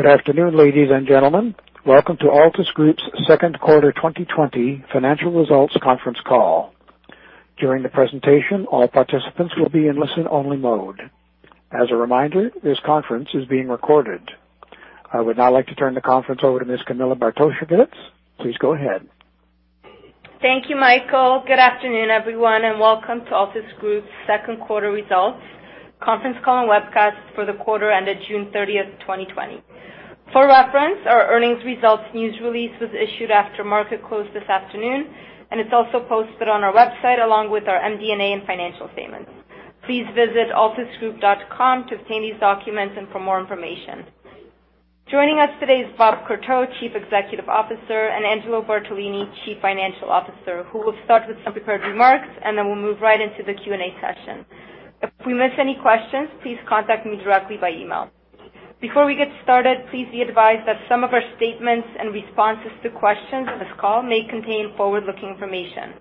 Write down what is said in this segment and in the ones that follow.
Good afternoon, ladies and gentlemen. Welcome to Altus Group's Second Quarter 2020 Financial Results conference call. During the presentation, all participants will be in listen-only mode. As a reminder, this conference is being recorded. I would now like to turn the conference over to Ms. Camilla Bartosiewicz. Please go ahead. Thank you, Michael. Good afternoon, everyone, and welcome to Altus Group's Second Quarter Results conference call and webcast for the quarter ended June 30th, 2020. For reference, our earnings results news release was issued after market close this afternoon, it's also posted on our website along with our MD&A and financial statements. Please visit altusgroup.com to obtain these documents and for more information. Joining us today is Bob Courteau, Chief Executive Officer, and Angelo Bartolini, Chief Financial Officer, who will start with some prepared remarks, and then we'll move right into the Q&A session. If we miss any questions, please contact me directly by email. Before we get started, please be advised that some of our statements and responses to questions on this call may contain forward-looking information.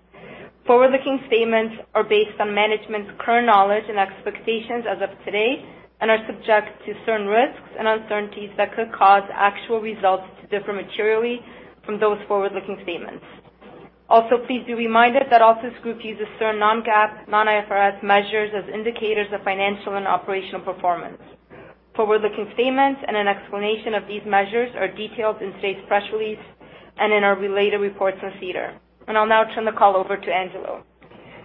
Forward-looking statements are based on management's current knowledge and expectations as of today and are subject to certain risks and uncertainties that could cause actual results to differ materially from those forward-looking statements. Also, please be reminded that Altus Group uses certain non-GAAP, non-IFRS measures as indicators of financial and operational performance. Forward-looking statements and an explanation of these measures are detailed in today's press release and in our related reports on SEDAR. I'll now turn the call over to Angelo.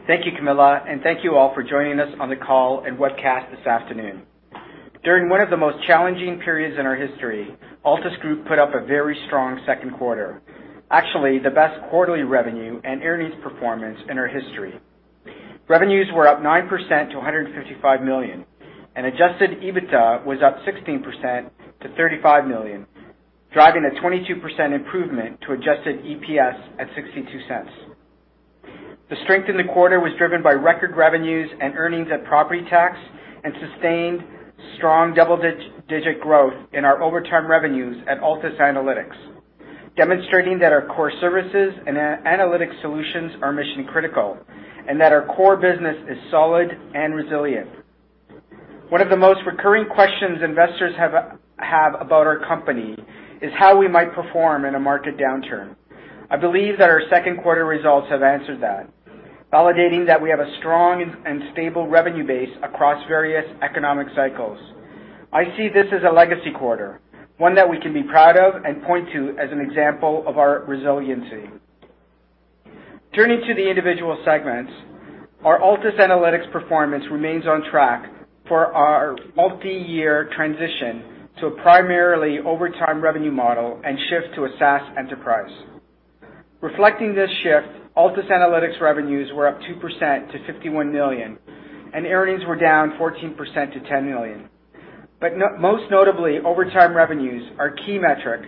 Thank you, Camilla, and thank you all for joining us on the call and webcast this afternoon. During one of the most challenging periods in our history, Altus Group put up a very strong second quarter, actually the best quarterly revenue and earnings performance in our history. Revenues were up 9% to 155 million, and Adjusted EBITDA was up 16% to 35 million, driving a 22% improvement to Adjusted EPS at 0.62. The strength in the quarter was driven by record revenues and earnings at Property Tax and sustained strong double-digit growth in our over time revenues at Altus Analytics, demonstrating that our core services and analytic solutions are mission-critical and that our core business is solid and resilient. One of the most recurring questions investors have about our company is how we might perform in a market downturn. I believe that our second quarter results have answered that, validating that we have a strong and stable revenue base across various economic cycles. I see this as a legacy quarter, one that we can be proud of and point to as an example of our resiliency. Turning to the individual segments, our Altus Analytics performance remains on track for our multi-year transition to a primarily over time revenue model and shift to a SaaS enterprise. Reflecting this shift, Altus Analytics revenues were up 2% to 51 million, and earnings were down 14% to 10 million. Most notably, Over Time revenues, our key metric,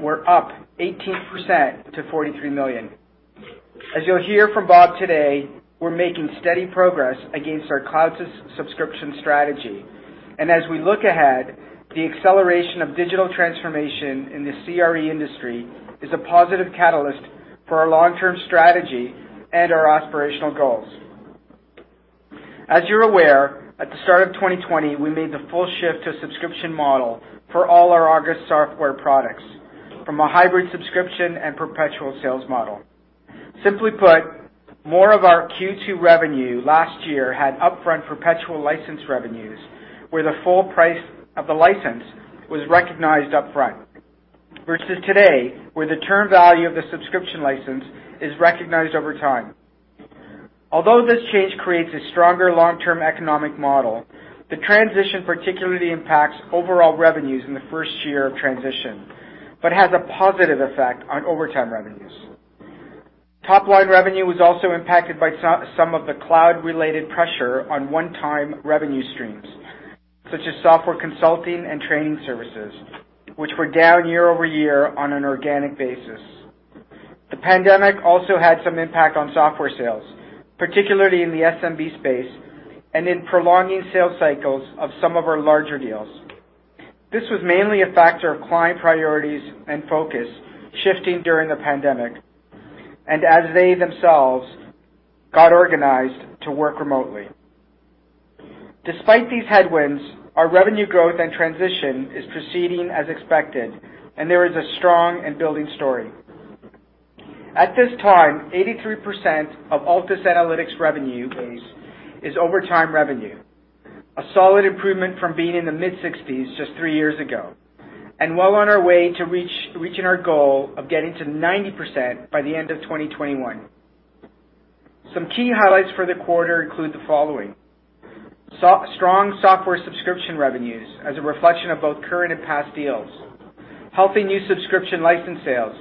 were up 18% to 43 million. As you'll hear from Bob today, we're making steady progress against our cloud subscription strategy. As we look ahead, the acceleration of digital transformation in the CRE industry is a positive catalyst for our long-term strategy and our aspirational goals. As you're aware, at the start of 2020, we made the full shift to a subscription model for all our ARGUS software products from a hybrid subscription and perpetual sales model. Simply put, more of our Q2 revenue last year had upfront perpetual license revenues, where the full price of the license was recognized upfront, versus today, where the term value of the subscription license is recognized over time. Although this change creates a stronger long-term economic model, the transition particularly impacts overall revenues in the first year of transition but has a positive effect on Over Time revenues. Top-line revenue was also impacted by some of the cloud-related pressure on one-time revenue streams, such as Software Consulting and Training Services, which were down year-over-year on an organic basis. The pandemic also had some impact on software sales, particularly in the SMB space and in prolonging sales cycles of some of our larger deals. This was mainly a factor of client priorities and focus shifting during the pandemic and as they themselves got organized to work remotely. Despite these headwinds, our revenue growth and transition is proceeding as expected, and there is a strong and building story. At this time, 83% of Altus Analytics revenue base is over time revenue, a solid improvement from being in the mid-60s just three years ago, and well on our way to reaching our goal of getting to 90% by the end of 2021. Some key highlights for the quarter include the following. Strong software subscription revenues as a reflection of both current and past deals. Healthy new subscription license sales,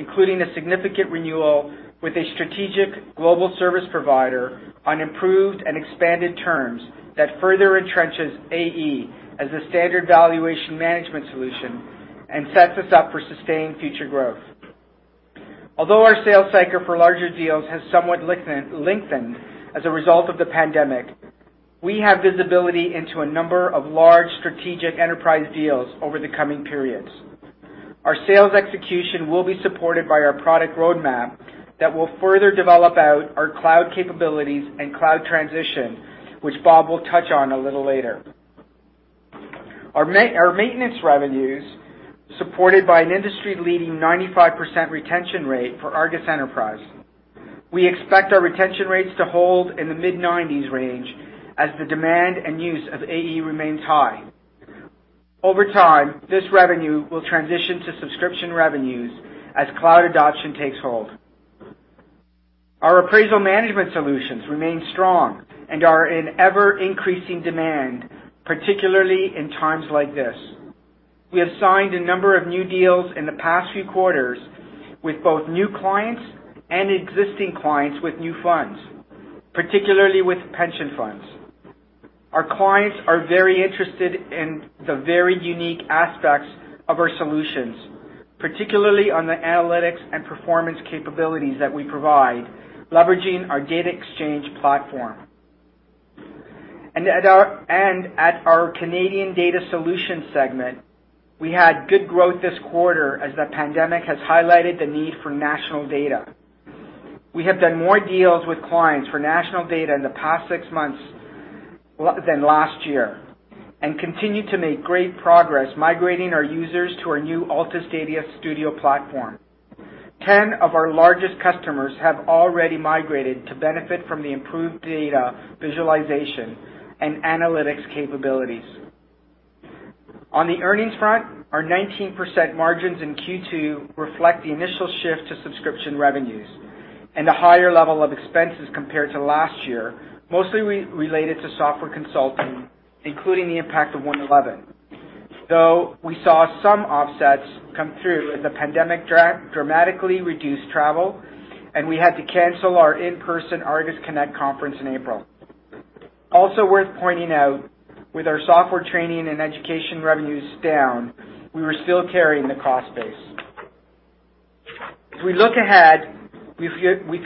including a significant renewal with a strategic global service provider on improved and expanded terms that further entrenches AE as a standard valuation management solution and sets us up for sustained future growth. Although our sales cycle for larger deals has somewhat lengthened as a result of the pandemic, we have visibility into a number of large strategic enterprise deals over the coming periods. Our sales execution will be supported by our product roadmap that will further develop out our cloud capabilities and cloud transition, which Bob will touch on a little later. Our Maintenance revenues, supported by an industry-leading 95% retention rate for ARGUS Enterprise. We expect our retention rates to hold in the mid-90s range as the demand and use of AE remains high. Over time, this revenue will transition to subscription revenues as cloud adoption takes hold. Our Appraisal Management Solutions remain strong and are in ever-increasing demand, particularly in times like this. We have signed a number of new deals in the past few quarters with both new clients and existing clients with new funds, particularly with pension funds. Our clients are very interested in the very unique aspects of our solutions, particularly on the analytics and performance capabilities that we provide, leveraging our data exchange platform. At our Canadian Data Solutions segment, we had good growth this quarter as the pandemic has highlighted the need for national data. We have done more deals with clients for Altus Data in the past six months than last year, and continue to make great progress migrating our users to our new Altus Data Studio platform. 10 of our largest customers have already migrated to benefit from the improved data visualization and analytics capabilities. On the earnings front, our 19% margins in Q2 reflect the initial shift to subscription revenues and a higher level of expenses compared to last year, mostly related to software consulting, including the impact of IFRS 11. We saw some offsets come through as the pandemic dramatically reduced travel, and we had to cancel our in-person Altus Connect conference in April. Worth pointing out, with our Software Training and Education revenues down, we were still carrying the cost base. If we look ahead, we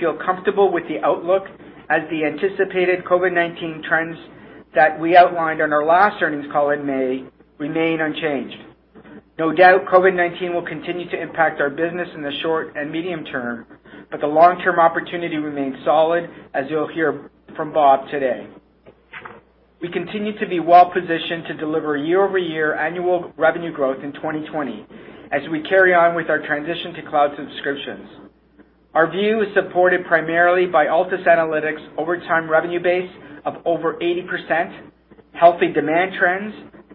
feel comfortable with the outlook as the anticipated COVID-19 trends that we outlined on our last earnings call in May remain unchanged. The long-term opportunity remains solid, as you'll hear from Bob today. We continue to be well-positioned to deliver year-over-year annual revenue growth in 2020 as we carry on with our transition to cloud subscriptions. Our view is supported primarily by Altus Analytics' Over Time revenue base of over 80%, healthy demand trends,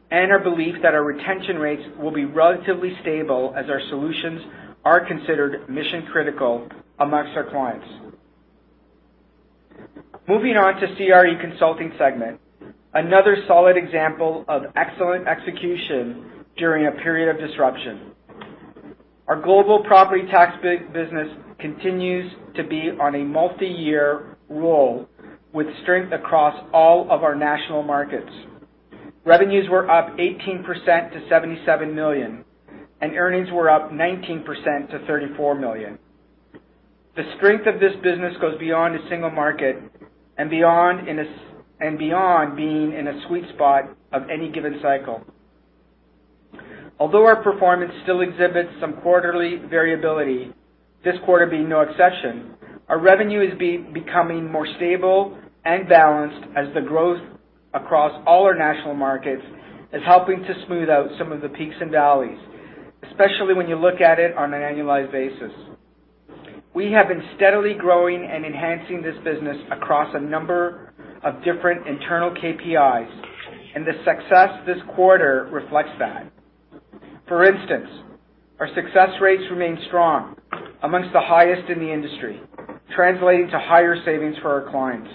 and our belief that our retention rates will be relatively stable as our solutions are considered mission-critical amongst our clients. Moving on to CRE Consulting segment, another solid example of excellent execution during a period of disruption. Our Global Property Tax business continues to be on a multi-year roll with strength across all of our national markets. Revenues were up 18% to 77 million, and earnings were up 19% to 34 million. The strength of this business goes beyond a single market and beyond being in a sweet spot of any given cycle. Although our performance still exhibits some quarterly variability, this quarter being no exception, our revenue is becoming more stable and balanced as the growth across all our national markets is helping to smooth out some of the peaks and valleys, especially when you look at it on an annualized basis. We have been steadily growing and enhancing this business across a number of different internal KPIs, and the success this quarter reflects that. For instance, our success rates remain strong, amongst the highest in the industry, translating to higher savings for our clients.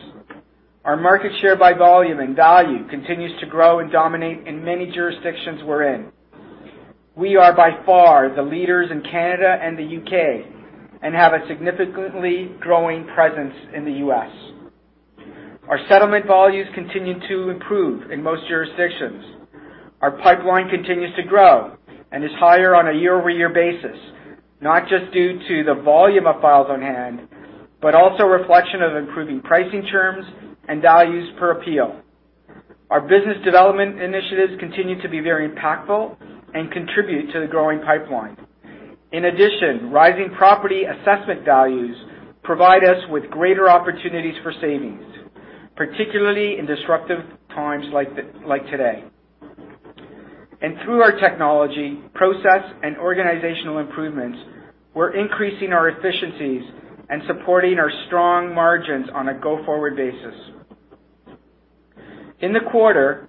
Our market share by volume and value continues to grow and dominate in many jurisdictions we're in. We are by far the leaders in Canada and the U.K. and have a significantly growing presence in the U.S. Our settlement volumes continue to improve in most jurisdictions. Our pipeline continues to grow and is higher on a year-over-year basis, not just due to the volume of files on hand, but also a reflection of improving pricing terms and values per appeal. Our Business Development initiatives continue to be very impactful and contribute to the growing pipeline. Rising property assessment values provide us with greater opportunities for savings, particularly in disruptive times like today. Through our technology, process, and organizational improvements, we're increasing our efficiencies and supporting our strong margins on a go-forward basis. In the quarter,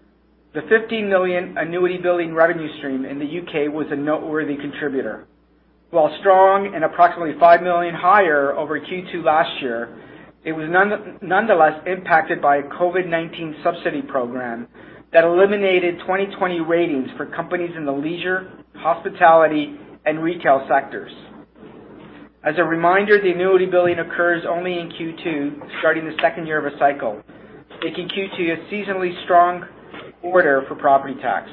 the 15 million annuity billing revenue stream in the U.K. was a noteworthy contributor. While strong and approximately 5 million higher over Q2 last year, it was nonetheless impacted by a COVID-19 subsidy program that eliminated 2020 ratings for companies in the leisure, hospitality, and retail sectors. As a reminder, the annuity billing occurs only in Q2, starting the second year of a cycle, making Q2 a seasonally strong quarter for Property Tax.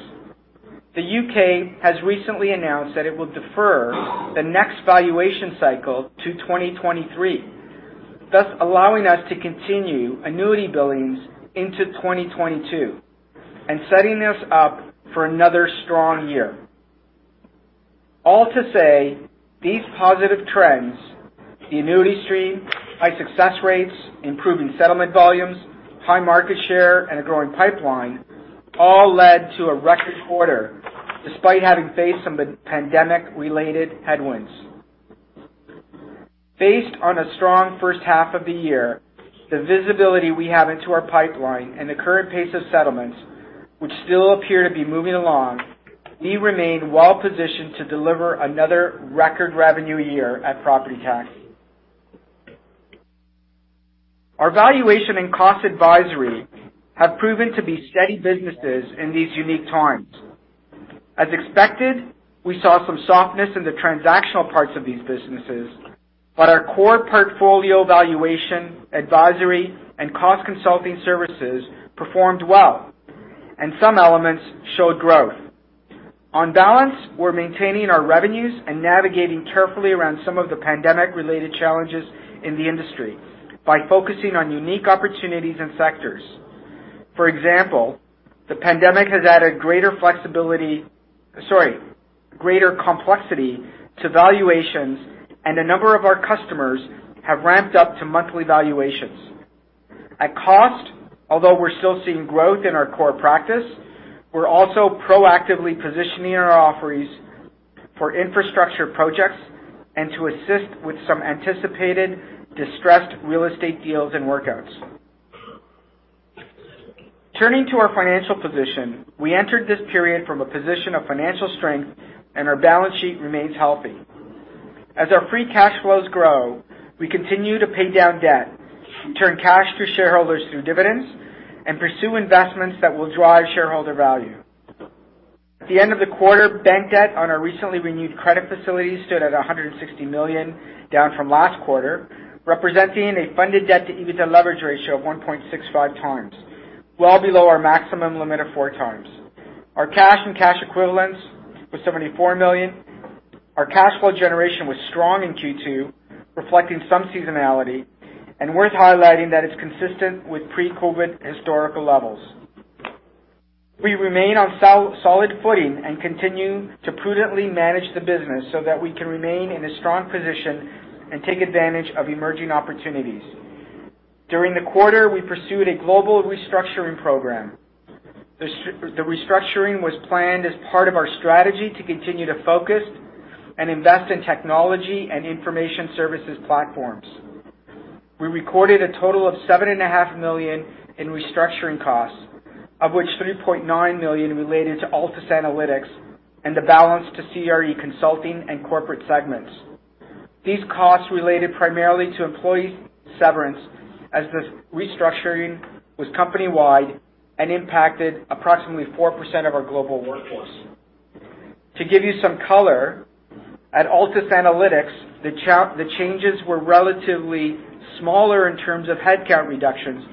The U.K. has recently announced that it will defer the next valuation cycle to 2023. Thus allowing us to continue annuity billings into 2022 and setting us up for another strong year. All to say, these positive trends, the annuity stream, high success rates, improving settlement volumes, high market share, and a growing pipeline, all led to a record quarter despite having faced some pandemic-related headwinds. Based on a strong first half of the year, the visibility we have into our pipeline, and the current pace of settlements, which still appear to be moving along, we remain well positioned to deliver another record revenue year at Property Tax. Our Valuation and Cost Advisory have proven to be steady businesses in these unique times. As expected, we saw some softness in the transactional parts of these businesses, but our Core Portfolio Valuation, Advisory, and Cost Consulting services performed well, and some elements showed growth. On balance, we're maintaining our revenues and navigating carefully around some of the pandemic-related challenges in the industry by focusing on unique opportunities and sectors. For example, the pandemic has added greater complexity to valuations, and a number of our customers have ramped up to monthly valuations. At cost, although we're still seeing growth in our core practice, we're also proactively positioning our offerings for infrastructure projects and to assist with some anticipated distressed real estate deals and workouts. Our balance sheet remains healthy. As our free cash flows grow, we continue to pay down debt, return cash to shareholders through dividends, and pursue investments that will drive shareholder value. At the end of the quarter, bank debt on our recently renewed credit facility stood at 160 million, down from last quarter, representing a funded debt to EBITDA leverage ratio of 1.65x, well below our maximum limit of 4x. Our cash and cash equivalents was 74 million. Our cash flow generation was strong in Q2, reflecting some seasonality, and worth highlighting that it's consistent with pre-COVID historical levels. We remain on solid footing and continue to prudently manage the business so that we can remain in a strong position and take advantage of emerging opportunities. During the quarter, we pursued a global restructuring program. The restructuring was planned as part of our strategy to continue to focus and invest in technology and information services platforms. We recorded a total of 7.5 million in restructuring costs, of which 3.9 million related to Altus Analytics and the balance to CRE Consulting and Corporate segments. These costs related primarily to employee severance as the restructuring was company-wide and impacted approximately 4% of our global workforce. To give you some color, at Altus Analytics, the changes were relatively smaller in terms of headcount reductions,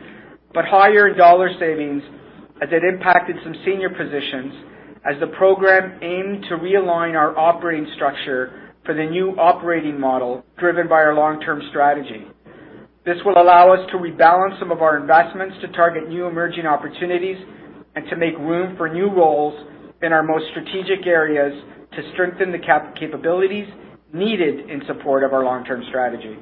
but higher in dollar savings as it impacted some senior positions as the program aimed to realign our operating structure for the new operating model driven by our long-term strategy. This will allow us to rebalance some of our investments to target new emerging opportunities and to make room for new roles in our most strategic areas to strengthen the capabilities needed in support of our long-term strategy.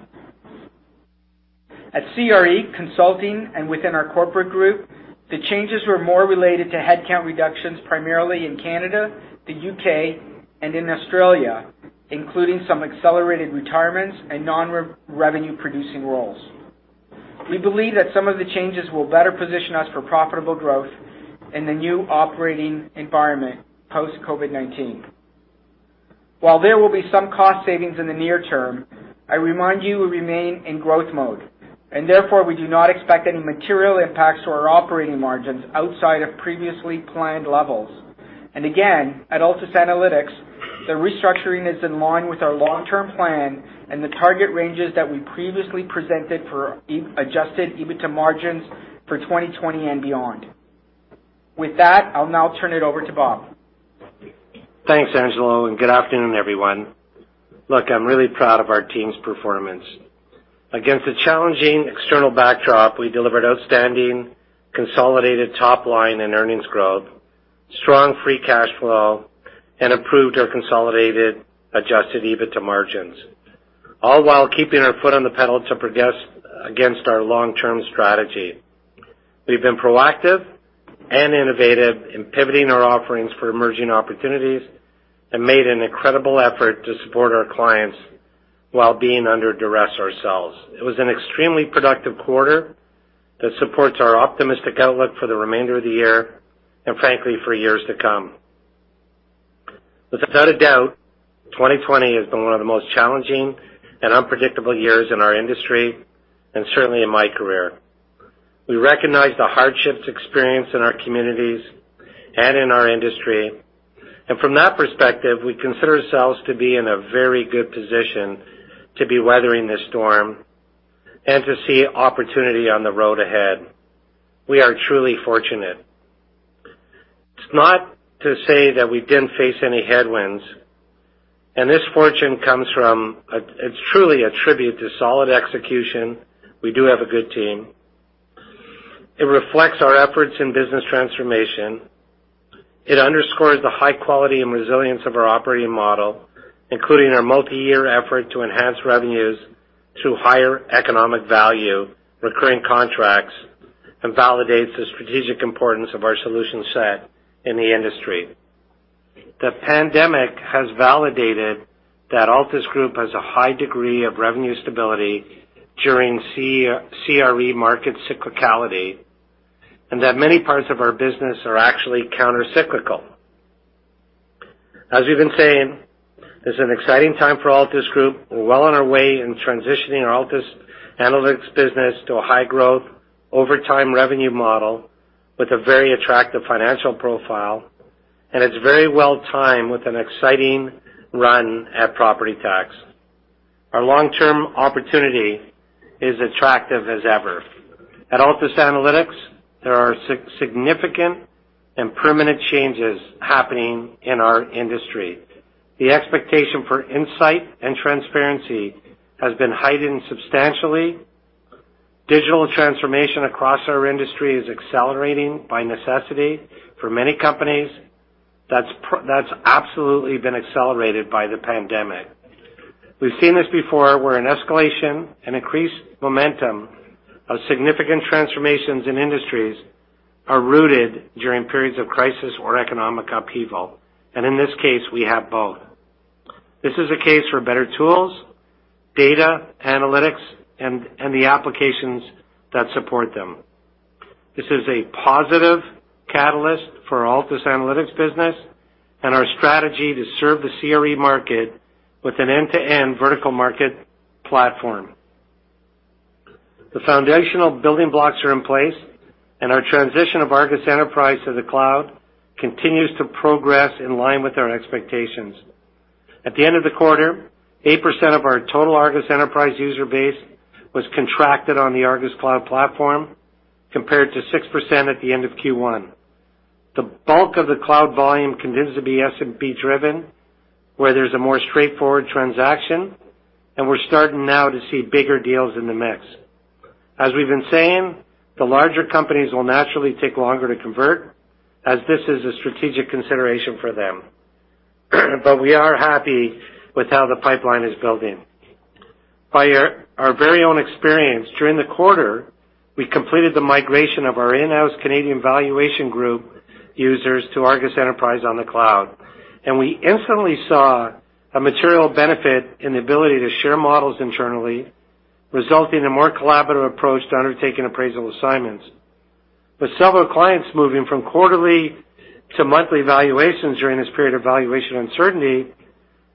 At CRE Consulting and within our corporate group, the changes were more related to headcount reductions, primarily in Canada, the U.K., and in Australia, including some accelerated retirements and non-revenue-producing roles. We believe that some of the changes will better position us for profitable growth in the new operating environment post-COVID-19. While there will be some cost savings in the near term, I remind you we remain in growth mode, and therefore, we do not expect any material impacts to our operating margins outside of previously planned levels. At Altus Analytics, the restructuring is in line with our long-term plan and the target ranges that we previously presented for Adjusted EBITDA margins for 2020 and beyond. With that, I'll now turn it over to Bob. Thanks, Angelo. Good afternoon, everyone. Look, I'm really proud of our team's performance. Against a challenging external backdrop, we delivered outstanding consolidated top line and earnings growth, strong free cash flow, and improved our consolidated Adjusted EBITDA margins, all while keeping our foot on the pedal to progress against our long-term strategy. We've been proactive and innovative in pivoting our offerings for emerging opportunities and made an incredible effort to support our clients while being under duress ourselves. It was an extremely productive quarter that supports our optimistic outlook for the remainder of the year and frankly, for years to come. Without a doubt, 2020 has been one of the most challenging and unpredictable years in our industry and certainly in my career. We recognize the hardships experienced in our communities and in our industry. From that perspective, we consider ourselves to be in a very good position to be weathering this storm and to see opportunity on the road ahead. We are truly fortunate. It's not to say that we didn't face any headwinds. This fortune comes from. It's truly a tribute to solid execution. We do have a good team. It reflects our efforts in business transformation. It underscores the high quality and resilience of our operating model, including our multi-year effort to enhance revenues to higher economic value recurring contracts, validates the strategic importance of our solution set in the industry. The pandemic has validated that Altus Group has a high degree of revenue stability during CRE market cyclicality, that many parts of our business are actually countercyclical. As we've been saying, it's an exciting time for Altus Group. We're well on our way in transitioning our Altus Analytics business to a high growth over time revenue model with a very attractive financial profile, and it's very well timed with an exciting run at Property Tax. Our long-term opportunity is attractive as ever. At Altus Analytics, there are significant and permanent changes happening in our industry. The expectation for insight and transparency has been heightened substantially. Digital transformation across our industry is accelerating by necessity. For many companies, that's absolutely been accelerated by the pandemic. We've seen this before, where an escalation, an increased momentum of significant transformations in industries are rooted during periods of crisis or economic upheaval. In this case, we have both. This is a case for better tools, data analytics, and the applications that support them. This is a positive catalyst for Altus Analytics business and our strategy to serve the CRE market with an end-to-end vertical market platform. The foundational building blocks are in place. Our transition of ARGUS Enterprise to the cloud continues to progress in line with our expectations. At the end of the quarter, 8% of our total ARGUS Enterprise user base was contracted on the ARGUS Cloud platform, compared to 6% at the end of Q1. The bulk of the cloud volume continues to be SMB driven, where there's a more straightforward transaction. We're starting now to see bigger deals in the mix. As we've been saying, the larger companies will naturally take longer to convert as this is a strategic consideration for them. We are happy with how the pipeline is building. By our very own experience, during the quarter, we completed the migration of our in-house Canadian valuation group users to ARGUS Enterprise on the cloud, and we instantly saw a material benefit in the ability to share models internally, resulting in a more collaborative approach to undertaking appraisal assignments. With several clients moving from quarterly to monthly valuations during this period of valuation uncertainty,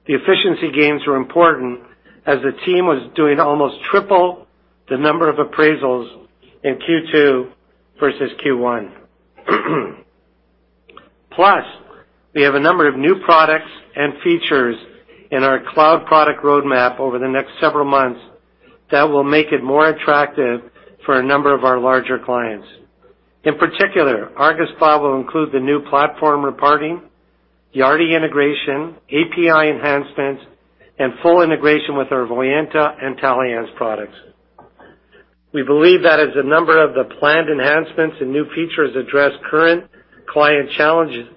the efficiency gains were important as the team was doing almost triple the number of appraisals in Q2 versus Q1. Plus, we have a number of new products and features in our cloud product roadmap over the next several months that will make it more attractive for a number of our larger clients. In particular, ARGUS Cloud will include the new platform reporting, Yardi integration, API enhancements, and full integration with our Voyanta and ARGUS Taliance products. We believe that as a number of the planned enhancements and new features address current client challenges,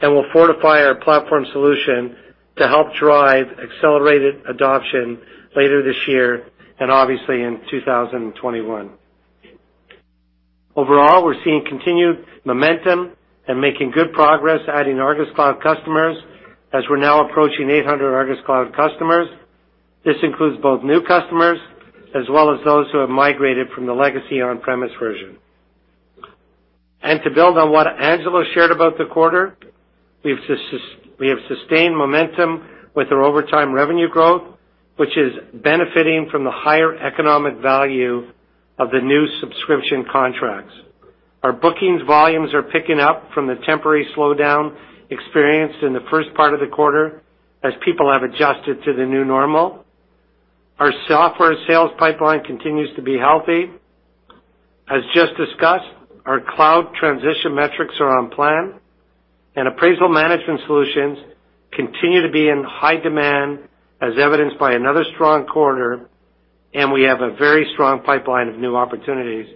and will fortify our platform solution to help drive accelerated adoption later this year and obviously in 2021. Overall, we're seeing continued momentum and making good progress adding ARGUS Cloud customers as we're now approaching 800 ARGUS Cloud customers. This includes both new customers as well as those who have migrated from the legacy on-premise version. To build on what Angelo shared about the quarter, we have sustained momentum with our Over Time revenue growth, which is benefiting from the higher economic value of the new subscription contracts. Our bookings volumes are picking up from the temporary slowdown experienced in the first part of the quarter as people have adjusted to the new normal. Our software sales pipeline continues to be healthy. As just discussed, our cloud transition metrics are on plan and Appraisal Management Solutions continue to be in high demand as evidenced by another strong quarter and we have a very strong pipeline of new opportunities.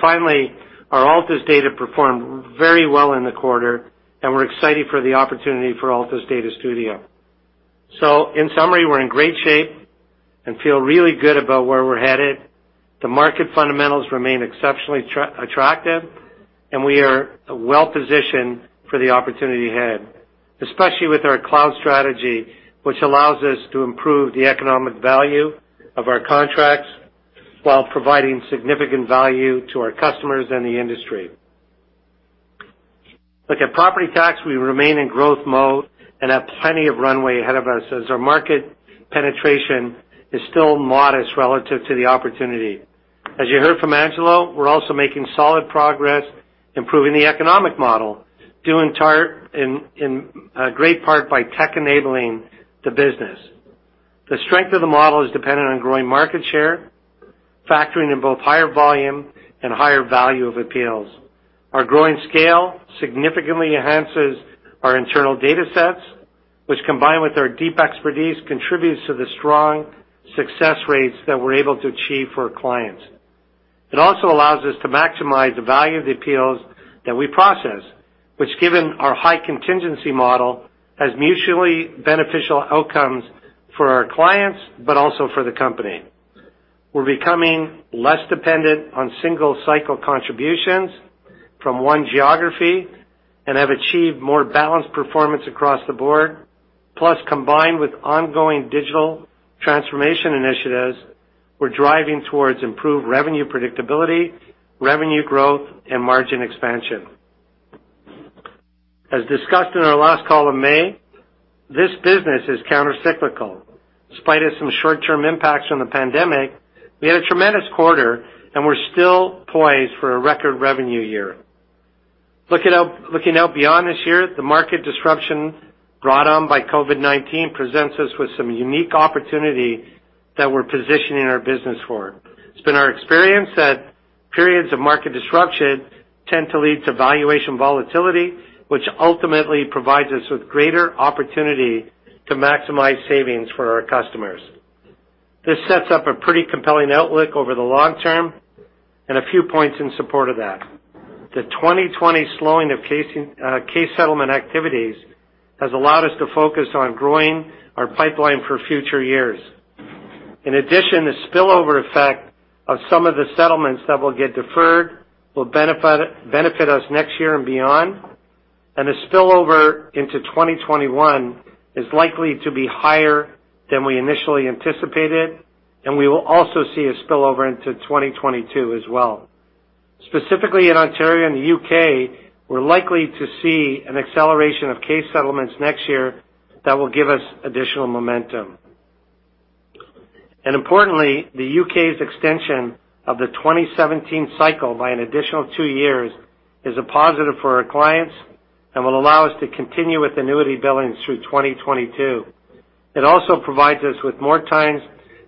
Finally, our Altus Data performed very well in the quarter and we're excited for the opportunity for Altus Data Studio. In summary, we're in great shape and feel really good about where we're headed. The market fundamentals remain exceptionally attractive and we are well-positioned for the opportunity ahead, especially with our cloud strategy, which allows us to improve the economic value of our contracts while providing significant value to our customers and the industry. Look at Property Tax, we remain in growth mode and have plenty of runway ahead of us as our market penetration is still modest relative to the opportunity. As you heard from Angelo, we're also making solid progress improving the economic model, due in great part by tech enabling the business. The strength of the model is dependent on growing market share. Factoring in both higher volume and higher value of appeals. Our growing scale significantly enhances our internal data sets, which combined with our deep expertise, contributes to the strong success rates that we're able to achieve for our clients. It also allows us to maximize the value of the appeals that we process, which, given our high contingency model, has mutually beneficial outcomes for our clients, but also for the company. We're becoming less dependent on single cycle contributions from one geography and have achieved more balanced performance across the board. Combined with ongoing digital transformation initiatives, we're driving towards improved revenue predictability, revenue growth, and margin expansion. As discussed in our last call in May, this business is countercyclical. In spite of some short-term impacts from the pandemic, we had a tremendous quarter, and we're still poised for a record revenue year. Looking out beyond this year, the market disruption brought on by COVID-19 presents us with some unique opportunity that we're positioning our business for. It's been our experience that periods of market disruption tend to lead to valuation volatility, which ultimately provides us with greater opportunity to maximize savings for our customers. This sets up a pretty compelling outlook over the long term, a few points in support of that. The 2020 slowing of case settlement activities has allowed us to focus on growing our pipeline for future years. In addition, the spillover effect of some of the settlements that will get deferred will benefit us next year and beyond. The spillover into 2021 is likely to be higher than we initially anticipated. We will also see a spillover into 2022 as well. Specifically in Ontario and the U.K., we're likely to see an acceleration of case settlements next year that will give us additional momentum. Importantly, the U.K.'s extension of the 2017 cycle by an additional two years is a positive for our clients and will allow us to continue with annuity billings through 2022. It also provides us with more times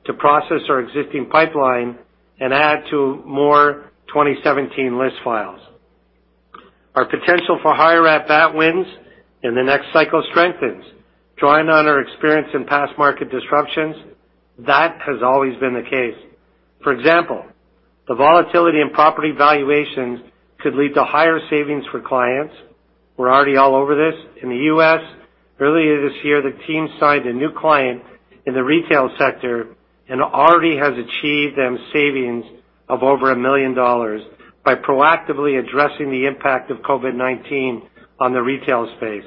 to process our existing pipeline and add to more 2017 list files. Our potential for higher at-bat wins in the next cycle strengthens, drawing on our experience in past market disruptions. That has always been the case. For example, the volatility in property valuations could lead to higher savings for clients. We're already all over this. In the U.S., earlier this year, the team signed a new client in the retail sector and already has achieved them savings of over 1 million dollars by proactively addressing the impact of COVID-19 on the retail space.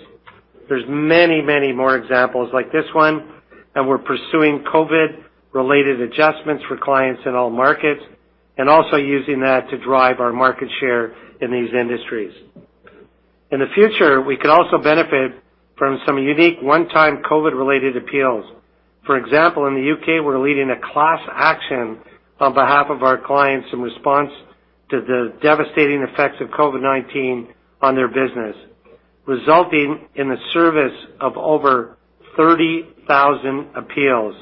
There's many more examples like this one, and we're pursuing COVID-related adjustments for clients in all markets and also using that to drive our market share in these industries. In the future, we could also benefit from some unique one-time COVID-related appeals. For example, in the U.K., we're leading a class action on behalf of our clients in response to the devastating effects of COVID-19 on their business, resulting in the service of over 30,000 appeals.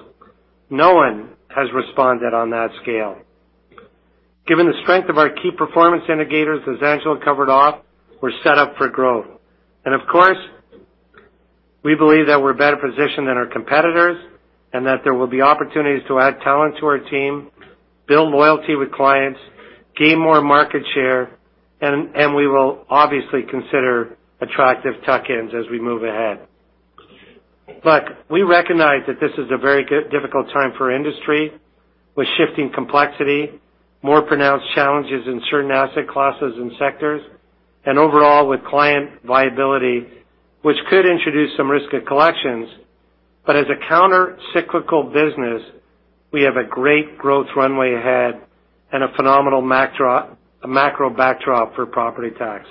No one has responded on that scale. Given the strength of our KPIs, as Angelo covered off, we're set up for growth. Of course, we believe that we're better positioned than our competitors and that there will be opportunities to add talent to our team, build loyalty with clients, gain more market share, and we will obviously consider attractive tuck-ins as we move ahead. We recognize that this is a very difficult time for industry, with shifting complexity, more pronounced challenges in certain asset classes and sectors, and overall with client viability, which could introduce some risk of collections. As a countercyclical business, we have a great growth runway ahead and a phenomenal macro backdrop for Property Tax.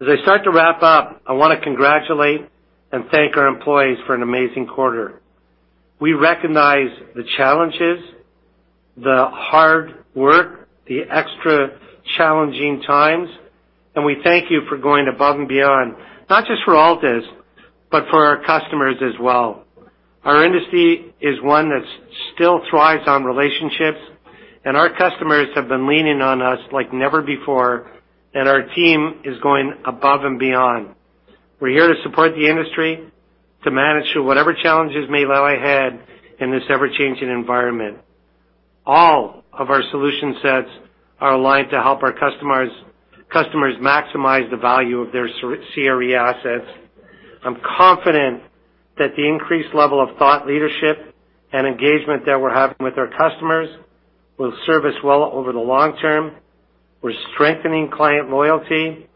As I start to wrap up, I want to congratulate and thank our employees for an amazing quarter. We recognize the challenges, the hard work, the extra challenging times, and we thank you for going above and beyond, not just for Altus, but for our customers as well. Our industry is one that still thrives on relationships, and our customers have been leaning on us like never before, and our team is going above and beyond. We're here to support the industry, to manage through whatever challenges may lie ahead in this ever-changing environment. All of our solution sets are aligned to help our customers maximize the value of their CRE assets. I'm confident that the increased level of thought leadership and engagement that we're having with our customers will serve us well over the long term. We're strengthening client loyalty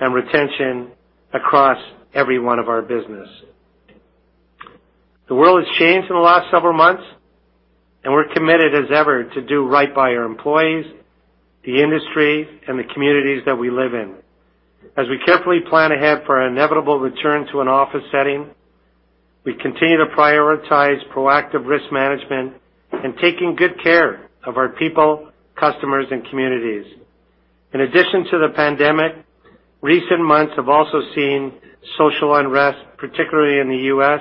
and retention across every one of our business. The world has changed in the last several months, and we're committed as ever to do right by our employees, the industry, and the communities that we live in. As we carefully plan ahead for our inevitable return to an office setting, we continue to prioritize proactive risk management and taking good care of our people, customers, and communities. In addition to the pandemic, recent months have also seen social unrest, particularly in the U.S.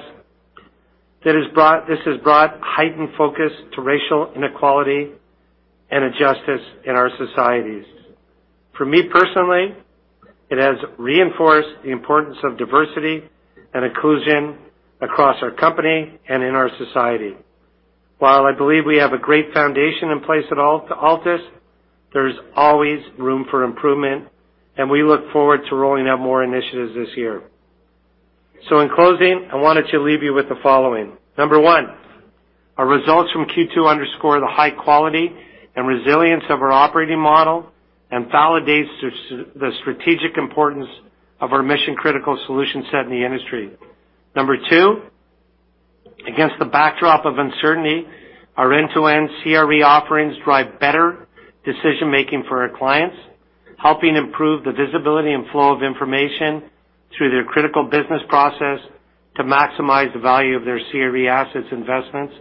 This has brought heightened focus to racial inequality and injustice in our societies. For me personally, it has reinforced the importance of diversity and inclusion across our company and in our society. While I believe we have a great foundation in place at Altus, there's always room for improvement, and we look forward to rolling out more initiatives this year. In closing, I wanted to leave you with the following. Number one, our results from Q2 underscore the high quality and resilience of our operating model and validates the strategic importance of our mission-critical solution set in the industry. Number two, against the backdrop of uncertainty, our end-to-end CRE offerings drive better decision-making for our clients, helping improve the visibility and flow of information through their critical business process to maximize the value of their CRE assets investments.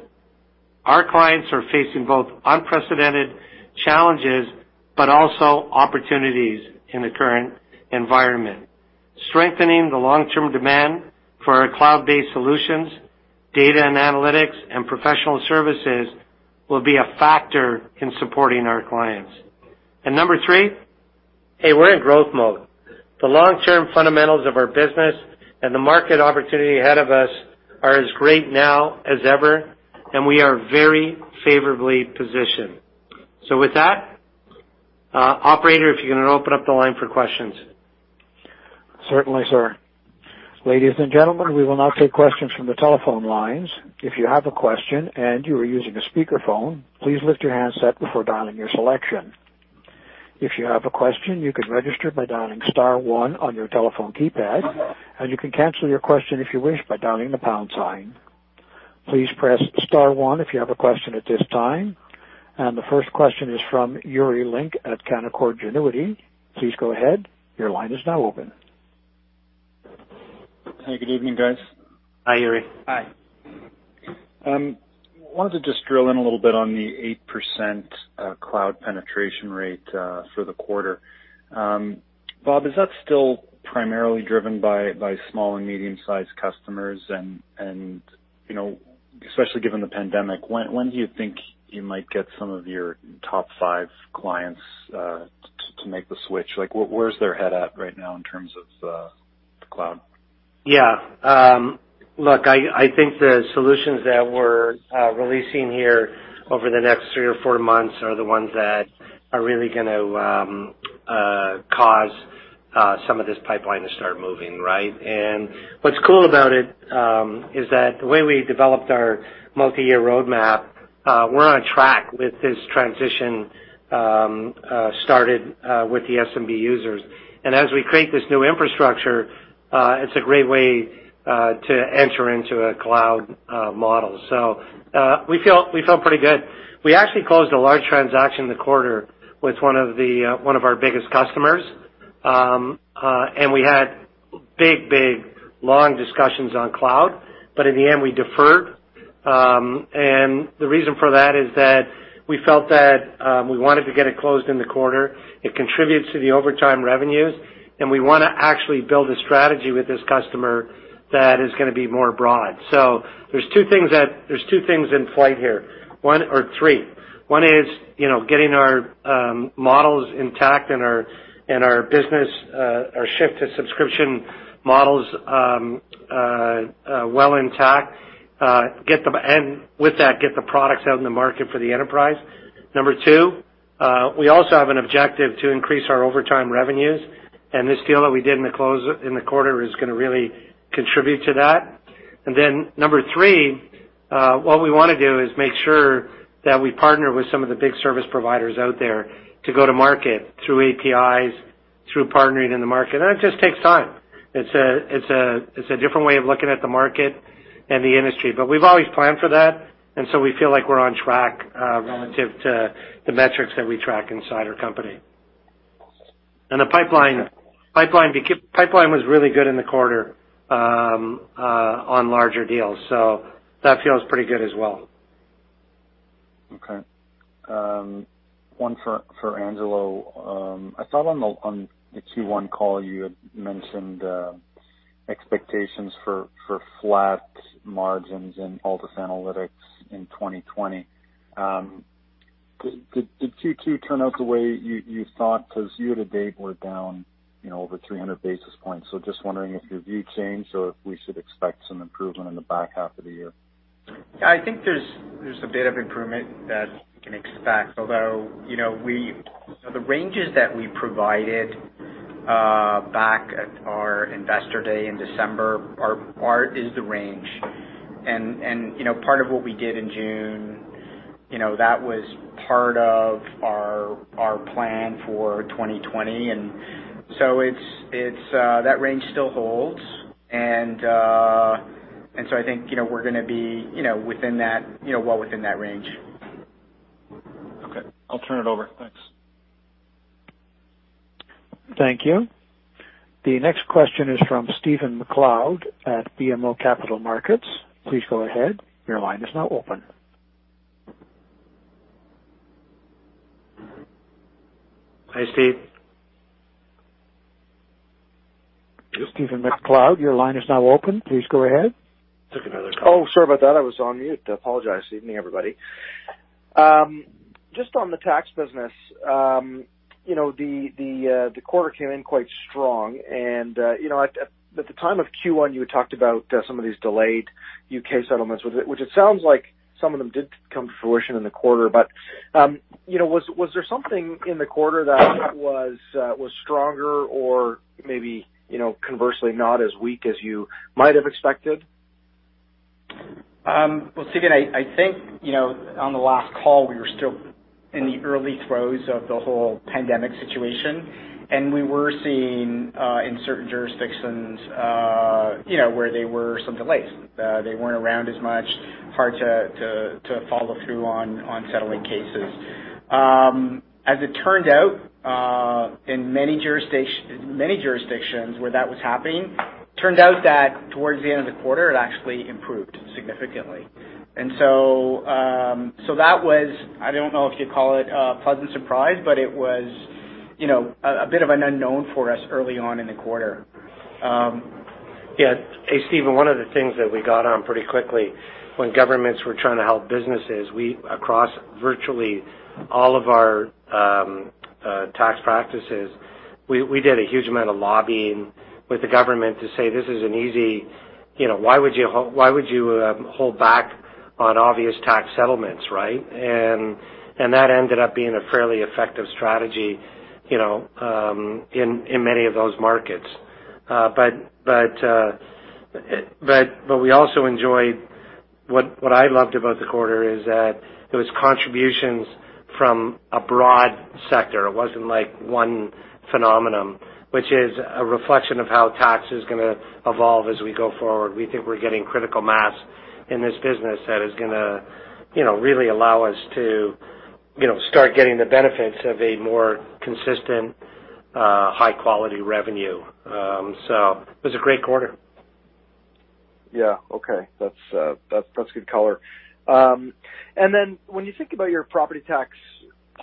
Our clients are facing both unprecedented challenges, but also opportunities in the current environment. Strengthening the long-term demand for our cloud-based solutions, data and analytics, and professional services will be a factor in supporting our clients. Number three, hey, we're in growth mode. The long-term fundamentals of our business and the market opportunity ahead of us are as great now as ever, and we are very favorably positioned. With that, operator, if you can open up the line for questions. Certainly, sir. Ladies and gentlemen, we will now take questions from the telephone lines. If you have a question and you're using a speaker phone please lift your handset before dialing your selection. If you have a question, you could register by dialing star one on your telephone keypad, and you can cancel your question if you wish by dialing the pound sign. The first question is from Yuri Lynk at Canaccord Genuity. Please go ahead. Your line is now open. Hey, good evening, guys. Hi, Yuri. Hi. I wanted to just drill in a little bit on the 8% cloud penetration rate for the quarter. Bob, is that still primarily driven by small and medium-sized customers and, especially given the pandemic, when do you think you might get some of your top five clients to make the switch? Where's their head at right now in terms of the cloud? Yeah. Look, I think the solutions that we're releasing here over the next three or four months are the ones that are really going to cause some of this pipeline to start moving. What's cool about it is that the way we developed our multi-year roadmap, we're on track with this transition started with the SMB users. As we create this new infrastructure it's a great way to enter into a cloud model. We feel pretty good. We actually closed a large transaction in the quarter with one of our biggest customers, and we had big, long discussions on cloud. In the end, we deferred. The reason for that is that we felt that we wanted to get it closed in the quarter. It contributes to the overtime revenues. We want to actually build a strategy with this customer that is going to be more broad. There's two things in play here. One is getting our models intact and our business, our shift to subscription models well intact. With that, get the products out in the market for the enterprise. Number two, we also have an objective to increase our overtime revenues. This deal that we did in the quarter is going to really contribute to that. Number three, what we want to do is make sure that we partner with some of the big service providers out there to go to market through APIs, through partnering in the market. It just takes time. It's a different way of looking at the market and the industry. We've always planned for that, and so we feel like we're on track relative to the metrics that we track inside our company. The pipeline was really good in the quarter on larger deals, so that feels pretty good as well. Okay. One for Angelo. I thought on the Q1 call, you had mentioned expectations for flat margins in Altus Analytics in 2020. Did Q2 turn out the way you thought? Because year to date, we're down over 300 basis points. Just wondering if your view changed or if we should expect some improvement in the back half of the year. I think there's a bit of improvement that you can expect, although, the ranges that we provided back at our Investor Day in December is the range. Part of what we did in June, that was part of our plan for 2020. That range still holds, and so I think we're going to be well within that range. Okay. I'll turn it over. Thanks. Thank you. The next question is from Stephen MacLeod at BMO Capital Markets. Please go ahead. Hi, Stephen. Stephen MacLeod, your line is now open. Please go ahead. Took another call. Oh, sorry about that. I was on mute. I apologize. Evening, everybody. Just on the Property Tax business, the quarter came in quite strong and at the time of Q1, you had talked about some of these delayed U.K. settlements, which it sounds like some of them did come to fruition in the quarter. Was there something in the quarter that was stronger or maybe conversely not as weak as you might have expected? Well, Stephen, I think, on the last call, we were still in the early throes of the whole pandemic situation, and we were seeing, in certain jurisdictions, where there were some delays. They weren't around as much, hard to follow through on settling cases. As it turned out, in many jurisdictions where that was happening, turned out that towards the end of the quarter, it actually improved significantly. That was, I don't know if you'd call it a pleasant surprise, but it was a bit of an unknown for us early on in the quarter. Hey, Stephen, one of the things that we got on pretty quickly when governments were trying to help businesses, across virtually all of our tax practices, we did a huge amount of lobbying with the government to say, "Why would you hold back on obvious tax settlements, right?" That ended up being a fairly effective strategy in many of those markets. What I loved about the quarter is that there was contributions from a broad sector. It wasn't one phenomenon, which is a reflection of how tax is going to evolve as we go forward. We think we're getting critical mass in this business that is going to really allow us to start getting the benefits of a more consistent, high-quality revenue. It was a great quarter. That's good color. When you think about your Property Tax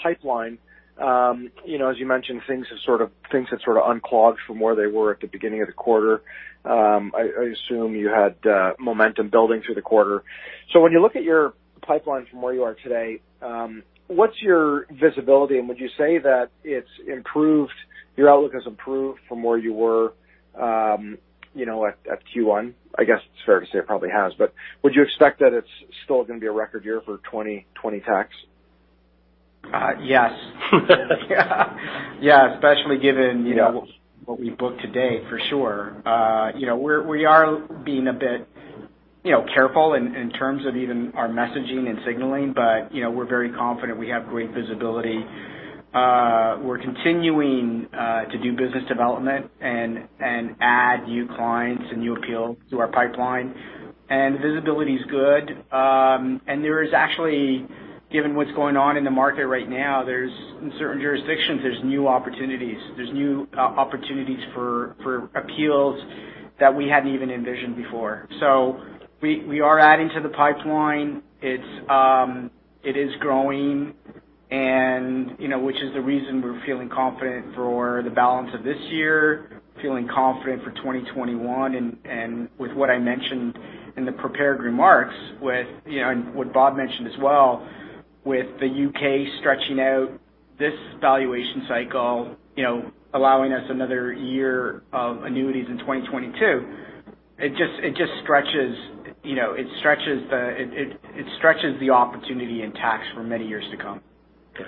pipeline, as you mentioned, things have sort of unclogged from where they were at the beginning of the quarter. I assume you had momentum building through the quarter. When you look at your pipeline from where you are today, what's your visibility, and would you say that your outlook has improved from where you were at Q1? I guess it's fair to say it probably has, but would you expect that it's still going to be a record year for 2020 tax? Yes. Yeah, especially given what we book today, for sure. We are being a bit careful in terms of even our messaging and signaling, but we're very confident we have great visibility. We're continuing to do business development and add new clients and new appeals to our pipeline, and visibility's good. There is actually, given what's going on in the market right now, in certain jurisdictions, there's new opportunities. There's new opportunities for appeals that we hadn't even envisioned before. We are adding to the pipeline. It is growing, which is the reason we're feeling confident for the balance of this year, feeling confident for 2021, and with what I mentioned in the prepared remarks, and what Bob mentioned as well, with the U.K. stretching out this valuation cycle, allowing us another year of annuities in 2022. It just stretches the opportunity in Property Tax for many years to come. Yeah.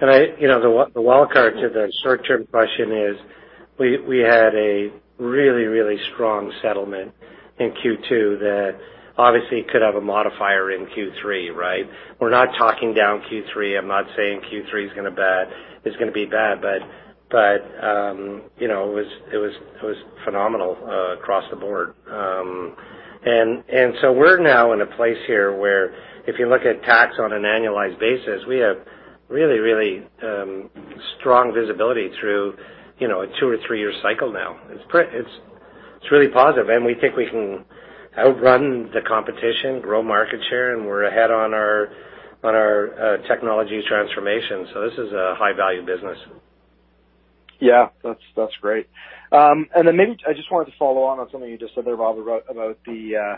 The wildcard to the short-term question is we had a really strong settlement in Q2 that obviously could have a modifier in Q3, right? We're not talking down Q3. I'm not saying Q3 is going to be bad, but it was phenomenal across the board. We're now in a place here where if you look at tax on an annualized basis, we have really strong visibility through a two or three-year cycle now. It's really positive, we think we can outrun the competition, grow market share, and we're ahead on our technology transformation. This is a high-value business. Yeah. That's great. Maybe I just wanted to follow on with something you just said there, Bob, about the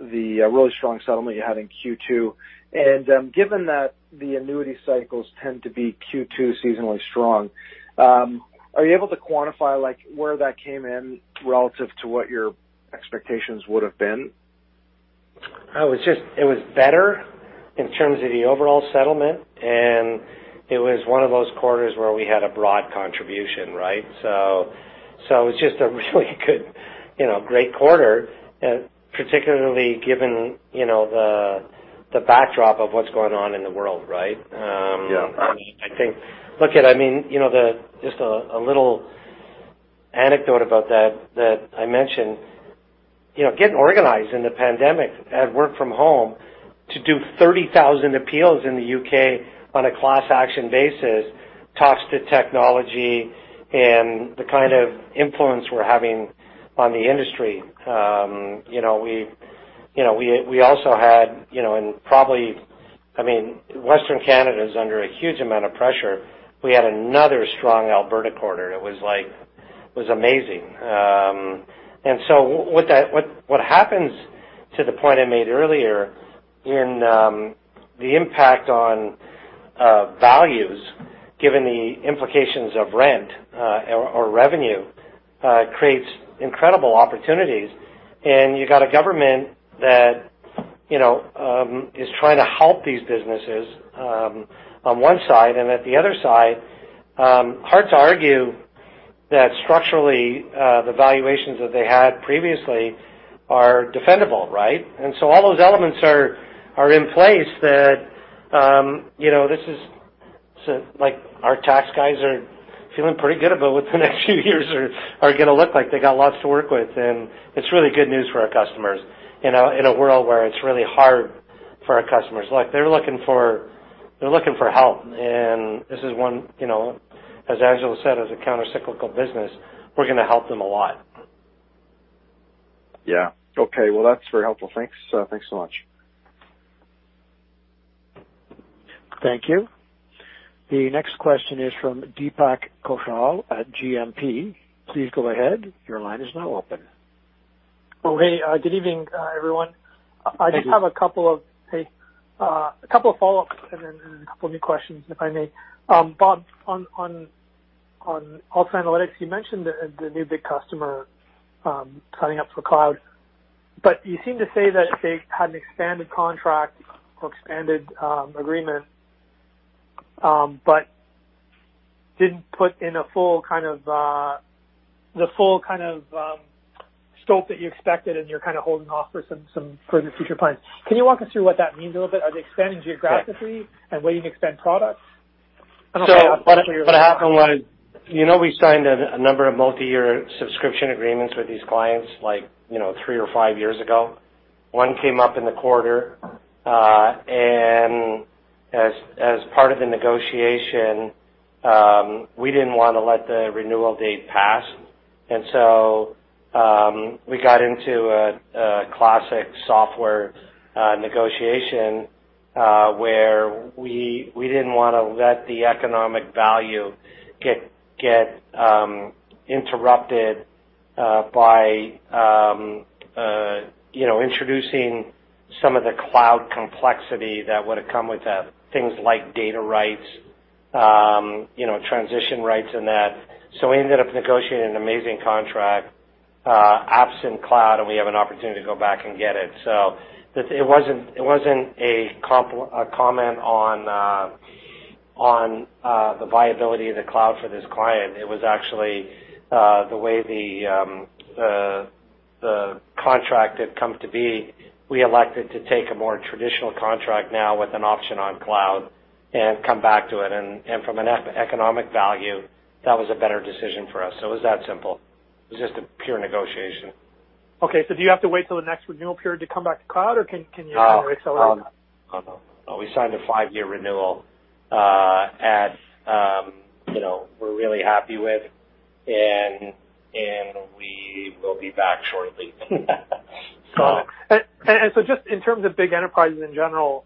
really strong settlement you had in Q2. Given that the annuity cycles tend to be Q2 seasonally strong, are you able to quantify where that came in relative to what your expectations would've been? It was better in terms of the overall settlement, and it was one of those quarters where we had a broad contribution, right? It was just a really great quarter, particularly given the backdrop of what's going on in the world, right? Yeah. Look, just a little anecdote about that that I mentioned. Getting organized in the pandemic at work from home to do 30,000 appeals in the U.K. on a class action basis. Talks to technology and the kind of influence we're having on the industry. Western Canada is under a huge amount of pressure. We had another strong Alberta quarter. It was amazing. What happens, to the point I made earlier, in the impact on values, given the implications of rent or revenue, creates incredible opportunities. You've got a government that is trying to help these businesses on one side and at the other side, hard to argue that structurally, the valuations that they had previously are defendable. Right? All those elements are in place that our tax guys are feeling pretty good about what the next few years are going to look like. They got lots to work with, and it's really good news for our customers in a world where it's really hard for our customers. They're looking for help, and this is one, as Angelo said, as a counter-cyclical business, we're going to help them a lot. Yeah. Okay. Well, that's very helpful. Thanks so much. Thank you. The next question is from Deepak Kaushal at GMP. Please go ahead. Your line is now open. Hey, good evening, everyone. Good evening. I just have a couple of follow-ups and then a couple of new questions, if I may. Bob, on Altus Analytics, you mentioned the new big customer signing up for cloud, but you seem to say that they had an expanded contract or expanded agreement, but didn't put in the full kind of scope that you expected, and you're kind of holding off for some further future plans. Can you walk us through what that means a little bit? Are they expanding geographically and waiting to expand products? I don't have a clear- What happened was, we've signed a number of multi-year subscription agreements with these clients three or five years ago. One came up in the quarter, as part of the negotiation, we didn't want to let the renewal date pass. We got into a classic software negotiation, where we didn't want to let the economic value get interrupted by introducing some of the cloud complexity that would have come with that. Things like data rights, transition rights, and that. We ended up negotiating an amazing contract, ARGUS Cloud, and we have an opportunity to go back and get it. It wasn't a comment on the viability of the cloud for this client. It was actually the way the contract had come to be. We elected to take a more traditional contract now with an option on cloud and come back to it. From an economic value, that was a better decision for us. It was that simple. It was just a pure negotiation. Okay. Do you have to wait till the next renewal period to come back to cloud, or can you kind of accelerate that? No. We signed a five-year renewal that we're really happy with, and we will be back shortly. Got it. Just in terms of big enterprises in general,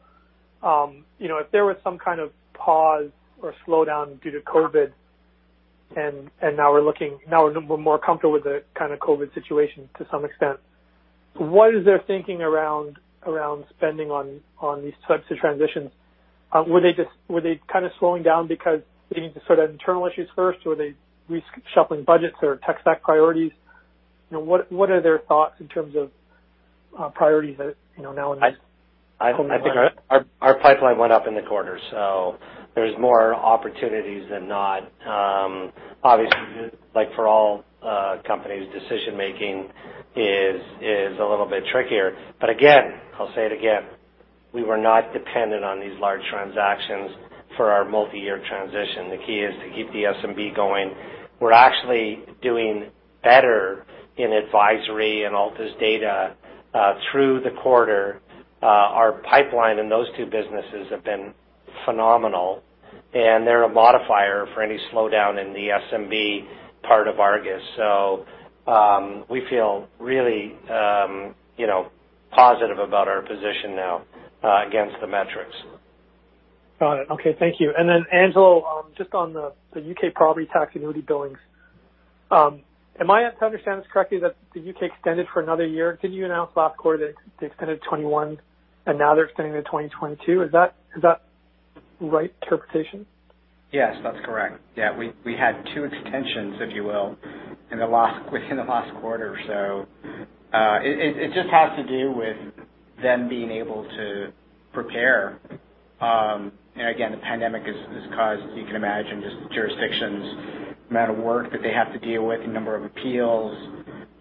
if there was some kind of pause or slowdown due to COVID, and now we're more comfortable with the kind of COVID situation to some extent, what is their thinking around spending on these types of transitions? Were they kind of slowing down because they need to sort out internal issues first? Were they reshuffling budgets or tech stack priorities? What are their thoughts in terms of priorities that now in this post-COVID world? I think our pipeline went up in the quarter. There's more opportunities than not. Obviously, like for all companies, decision-making is a little bit trickier. Again, I'll say it again, we were not dependent on these large transactions for our multi-year transition. The key is to keep the SMB going. We're actually doing better in Valuation Advisory and Altus Data through the quarter. Our pipeline in those two businesses have been phenomenal, and they're a modifier for any slowdown in the SMB part of ARGUS. We feel really positive about our position now against the metrics. Got it. Okay. Thank you. Angelo, just on the U.K. Property Tax annuity billings. Am I understanding this correctly that the U.K. extended for another year? Didn't you announce last quarter they extended 2021, and now they're extending to 2022? Is that the right interpretation? Yes, that's correct. We had two extensions, if you will, within the last quarter or so. It just has to do with them being able to prepare. Again, the pandemic has caused, as you can imagine, just jurisdictions, amount of work that they have to deal with, the number of appeals,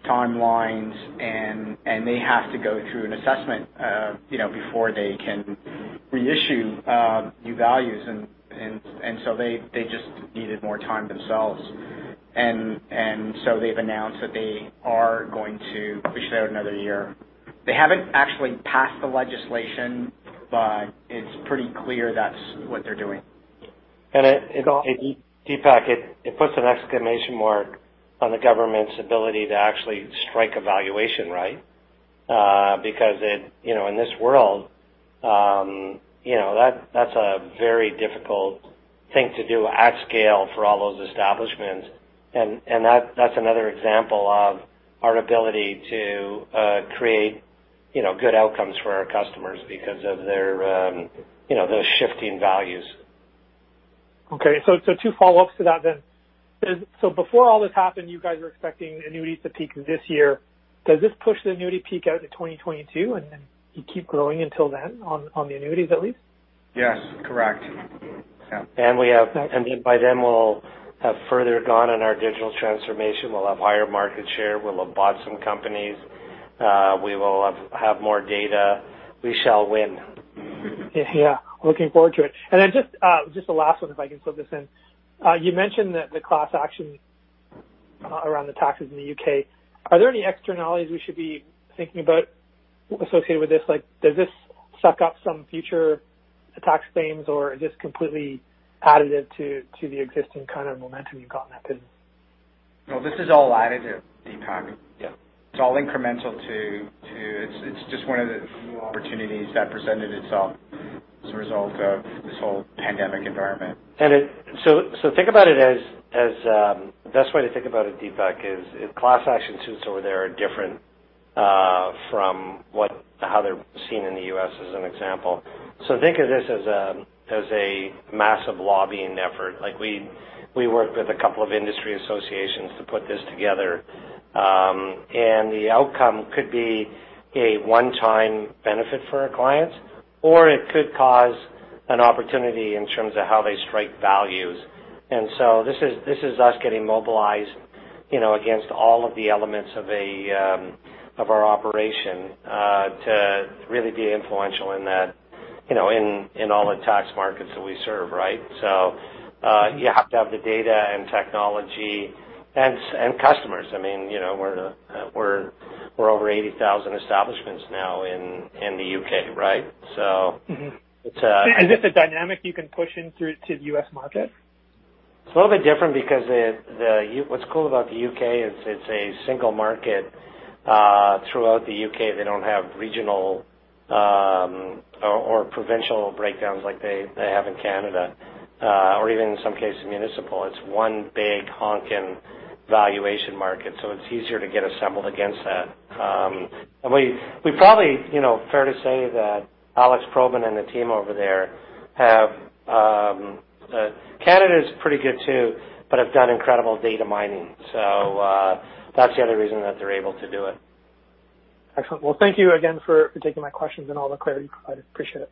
timelines, and they have to go through an assessment before they can reissue new values. They just needed more time themselves. They've announced that they are going to push it out another year. They haven't actually passed the legislation, but it's pretty clear that's what they're doing. Deepak, it puts an exclamation mark on the government's ability to actually strike a valuation, right? In this world that's a very difficult thing to do at scale for all those establishments. That's another example of our ability to create good outcomes for our customers because of those shifting values. Two follow-ups to that then. Before all this happened, you guys were expecting annuities to peak this year. Does this push the annuity peak out to 2022, and then you keep growing until then on the annuities at least? Yes, correct. Yeah. By then, we'll have further gone on our digital transformation. We'll have higher market share. We'll have bought some companies. We will have had more data. We shall win. Yeah. Looking forward to it. Just the last one, if I can slip this in. You mentioned the class action around the taxes in the U.K. Are there any externalities we should be thinking about associated with this? Does this suck up some future tax themes, or is this completely additive to the existing kind of momentum you've got in that business? No, this is all additive, Deepak. Yeah. It's all incremental. It's just one of the few opportunities that presented itself as a result of this whole pandemic environment. The best way to think about it, Deepak, is class action suits over there are different from how they're seen in the U.S., as an example. Think of this as a massive lobbying effort. We worked with a couple of industry associations to put this together. The outcome could be a one-time benefit for our clients, or it could cause an opportunity in terms of how they strike values. This is us getting mobilized against all of the elements of our operation to really be influential in all the tax markets that we serve, right? You have to have the data and technology and customers. We're over 80,000 establishments now in the U.K., right? Mm-hmm. Is this a dynamic you can push in through to the U.S. market? It's a little bit different because what's cool about the U.K. is it's a single market throughout the U.K. They don't have regional or provincial breakdowns like they have in Canada or even in some cases municipal. It's one big honking valuation market, so it's easier to get assembled against that. And fair to say that Alex Probyn and the team over there Canada's pretty good too, but have done incredible data mining. That's the other reason that they're able to do it. Excellent. Well, thank you again for taking my questions and all the clarity. I appreciate it.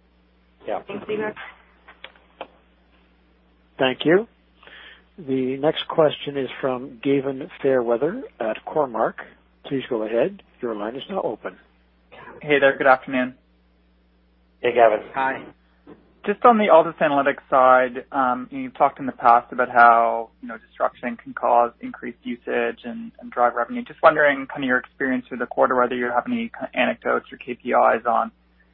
Yeah. Thanks, Deepak. Thank you. The next question is from Gavin Fairweather at Cormark. Please go ahead. Your line is now open. Hey there. Good afternoon. Hey, Gavin. Hi. Just on the Altus Analytics side, you've talked in the past about how disruption can cause increased usage and drive revenue. Just wondering, your experience through the quarter, whether you have any anecdotes or KPIs on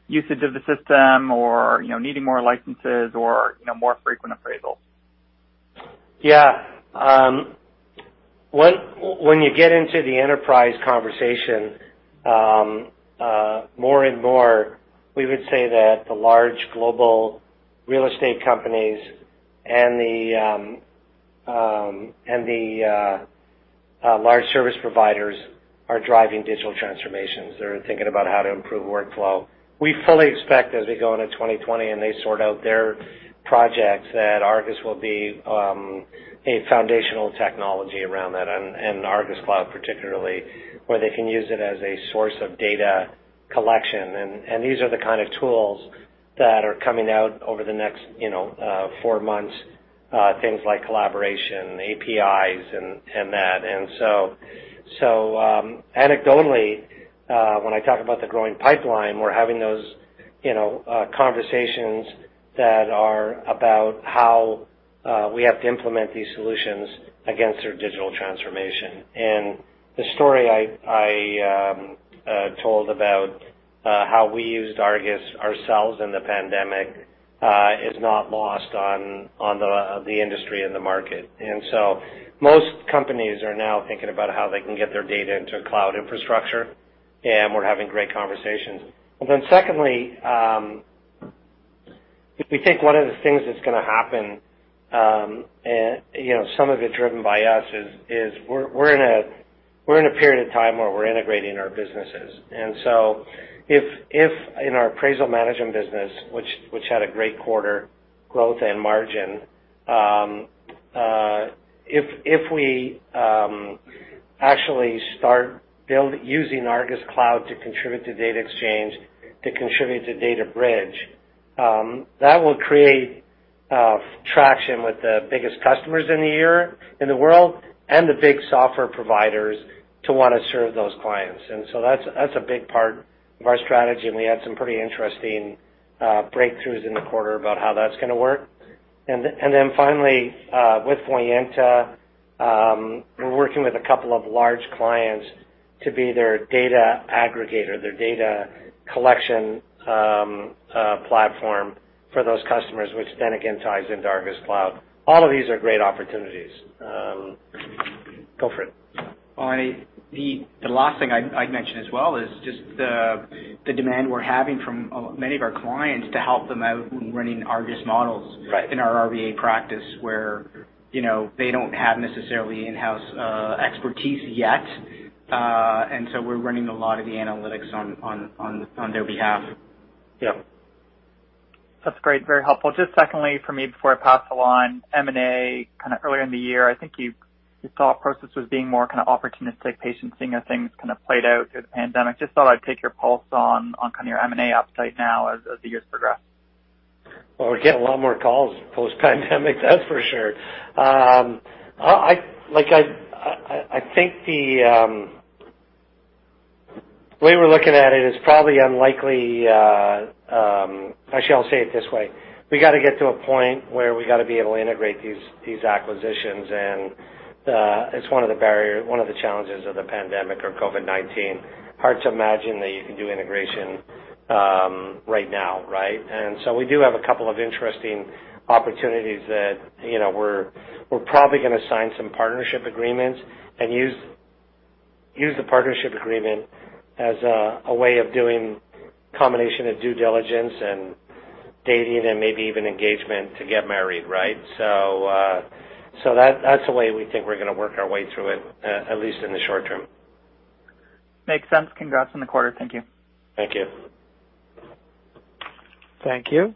usage of the system or needing more licenses or more frequent appraisals? Yeah. When you get into the enterprise conversation more and more, we would say that the large global real estate companies and the large service providers are driving digital transformations. They're thinking about how to improve workflow. We fully expect as we go into 2020 and they sort out their projects, that ARGUS will be a foundational technology around that, and ARGUS Cloud particularly, where they can use it as a source of data collection. These are the kind of tools that are coming out over the next four months, things like collaboration, APIs, and that. Anecdotally, when I talk about the growing pipeline, we're having those conversations that are about how we have to implement these solutions against their digital transformation. The story I told about how we used ARGUS ourselves in the pandemic is not lost on the industry and the market. Most companies are now thinking about how they can get their data into a cloud infrastructure, and we're having great conversations. Then secondly, we think one of the things that's going to happen, some of it driven by us, is we're in a period of time where we're integrating our businesses. If in our Appraisal Management business, which had a great quarter growth and margin, if we actually start using ARGUS Cloud to contribute to data exchange, to contribute to DataBridge, that will create traction with the biggest customers in the year, in the world, and the big software providers to want to serve those clients. That's a big part of our strategy, and we had some pretty interesting breakthroughs in the quarter about how that's going to work. Finally, with Voyanta, we're working with a couple of large clients to be their data aggregator, their data collection platform for those customers, which then again ties into ARGUS Cloud. All of these are great opportunities. Go for it. The last thing I'd mention as well is just the demand we're having from many of our clients to help them out when running ARGUS models- Right. ...in our RVA practice, where they don't have necessarily in-house expertise yet. We're running a lot of the analytics on their behalf. Yep. That's great. Very helpful. Just secondly for me, before I pass along, M&A, kind of earlier in the year, I think your thought process was being more kind of opportunistic, patient, seeing how things kind of played out through the pandemic. Just thought I'd take your pulse on kind of your M&A upside now as the years progress. Well, we get a lot more calls post-pandemic, that's for sure. I think the way we're looking at it is probably unlikely. Actually, I'll say it this way. We got to get to a point where we got to be able to integrate these acquisitions, and it's one of the challenges of the pandemic or COVID-19. Hard to imagine that you can do integration right now, right? We do have a couple of interesting opportunities that we're probably going to sign some partnership agreements and use the partnership agreement as a way of doing combination of due diligence and dating and maybe even engagement to get married, right? That's the way we think we're going to work our way through it, at least in the short term. Makes sense. Congrats on the quarter. Thank you. Thank you. Thank you.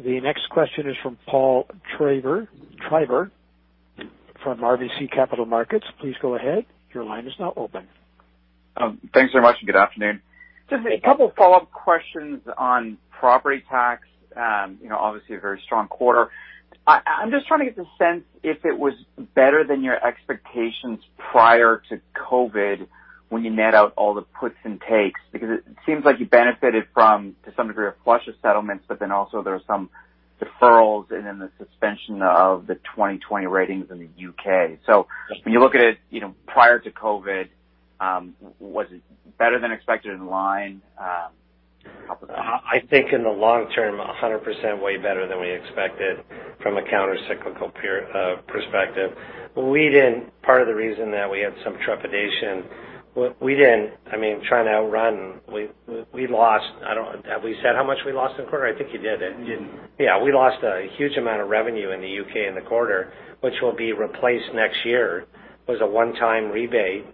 The next question is from Paul Treiber from RBC Capital Markets. Please go ahead. Your line is now open. Thanks very much, and good afternoon. Just a couple follow-up questions on Property Tax. Obviously a very strong quarter. I'm just trying to get the sense if it was better than your expectations prior to COVID-19 when you net out all the puts and takes, because it seems like you benefited from, to some degree, a flush of settlements, but then also there were some deferrals and then the suspension of the 2020 ratings in the U.K. When you look at it prior to COVID-19, was it better than expected, in line? Help with that. I think in the long term, 100% way better than we expected from a countercyclical perspective. Part of the reason that we had some trepidation, we didn't try and outrun. Have we said how much we lost in the quarter? I think you did. We did. Yeah, we lost a huge amount of revenue in the U.K. in the quarter, which will be replaced next year. It was a one-time rebate,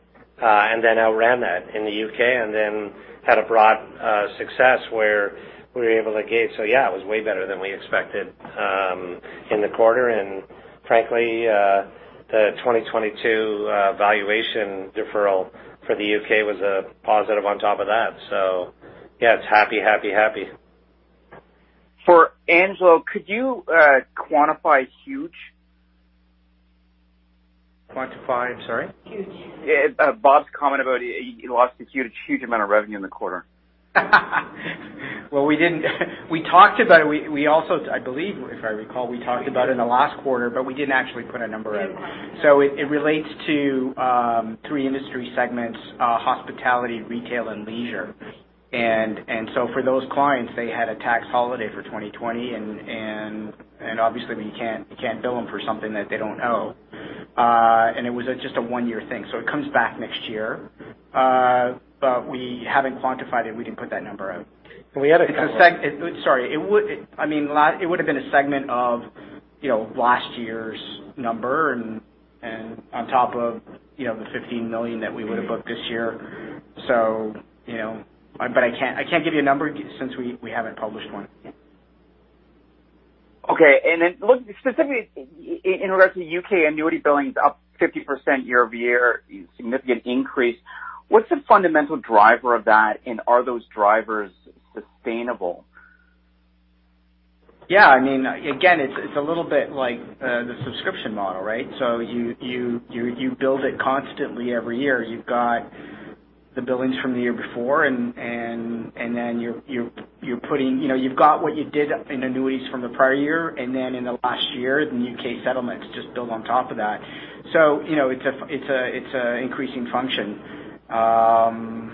and then outran that in the U.K. and then had a broad success where we were able to gain. Yeah, it was way better than we expected in the quarter. Frankly, the 2022 valuation deferral for the U.K. was a positive on top of that. Yeah, it's happy, happy. For Angelo, could you quantify huge? Quantify, sorry? Huge. Yeah. Bob's comment about you lost a huge amount of revenue in the quarter. Well, we talked about it. I believe, if I recall, we talked about it in the last quarter, but we didn't actually put a number out. It relates to three industry segments hospitality, retail, and leisure. For those clients, they had a tax holiday for 2020, and obviously we can't bill them for something that they don't owe. It was just a one-year thing, so it comes back next year. We haven't quantified it. We didn't put that number out. We had a couple of. Sorry. It would've been a segment of last year's number and on top of the 15 million that we would've booked this year. I can't give you a number since we haven't published one yet. Okay. Look, specifically in regards to U.K. annuity billings up 50% year-over-year, significant increase. What's the fundamental driver of that, and are those drivers sustainable? Yeah. Again, it's a little bit like the subscription model, right? You build it constantly every year. You've got the billings from the year before, and then you've got what you did in annuities from the prior year and then in the last year, the U.K. settlements just build on top of that. It's an increasing function. Now,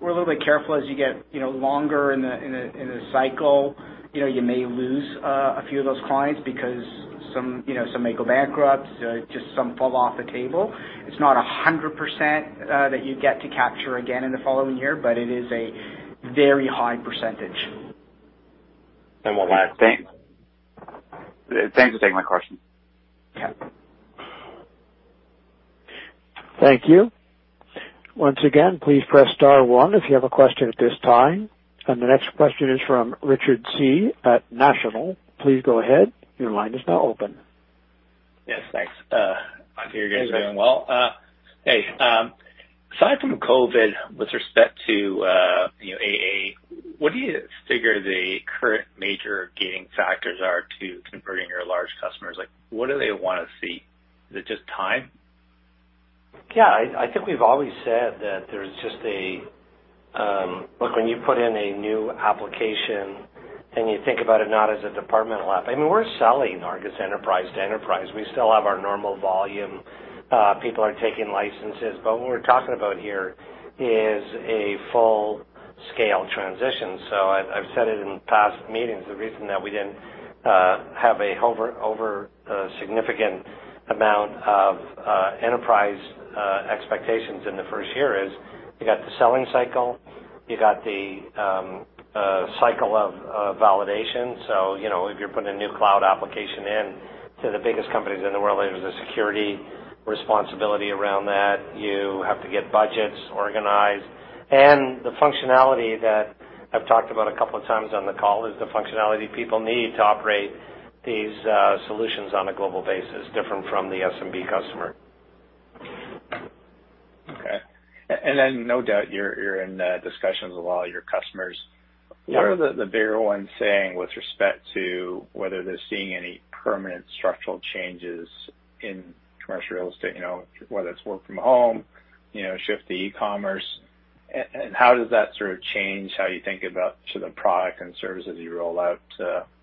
we're a little bit careful as you get longer in the cycle. You may lose a few of those clients because some may go bankrupt, just some fall off the table. It's not 100% that you get to capture again in the following year, but it is a very high percentage. One last thing. Thanks for taking my question. Yeah. Thank you. Once again, please press star one if you have a question at this time. The next question is from Richard Tse at National. Please go ahead. Yes, thanks. Happy you guys are doing well. Hey, aside from COVID with respect to AA, what do you figure the current major gating factors are to converting your large [customers]? What do they want to see? Is it just time? I think we've always said that there's just a... Look, when you put in a new application and you think about it not as a departmental app, I mean, we're selling ARGUS Enterprise to enterprise. We still have our normal volume. People are taking licenses. What we're talking here is a full-scale transition. I've said it in past meetings, the reason that we didn't have a over significant amount of enterprise expectations in the first year is you got the selling cycle, you got the cycle of validation. If you're putting a new cloud application into the biggest companies in the world, there's a security responsibility around that. You have to get budgets organized. The functionality that I've talked about a couple of times on the call is the functionality people need to operate these solutions on a global basis, different from the SMB customer. Okay. No doubt you're in discussions with all your customers. Yeah. What are the bigger ones saying with respect to whether they're seeing any permanent structural changes in commercial real estate, whether it's work from home, shift to e-commerce? How does that sort of change how you think about the product and services you roll out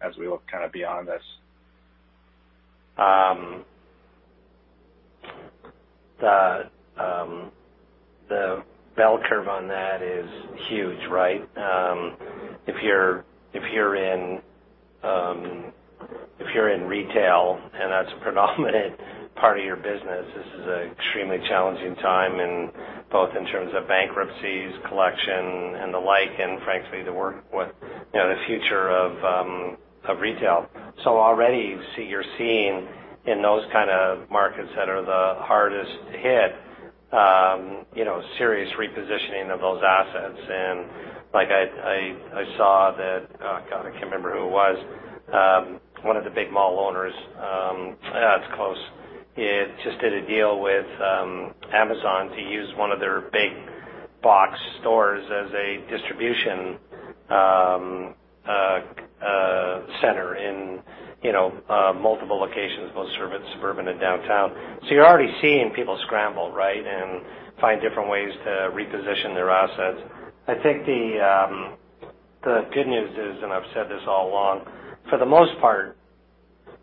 as we look kind of beyond this? The bell curve on that is huge, right? If you're in retail, and that's a predominant part of your business, this is an extremely challenging time, both in terms of bankruptcies, collection, and the like, and frankly, the work with the future of retail. Already, you're seeing in those kind of markets that are the hardest hit, serious repositioning of those assets. I saw that, oh, God, I can't remember who it was. One of the big mall owners It's close. It just did a deal with Amazon to use one of their big box stores as a distribution center in multiple locations, both suburban and downtown. You're already seeing people scramble, right? Find different ways to reposition their assets. I think the good news is, and I've said this all along, for the most part,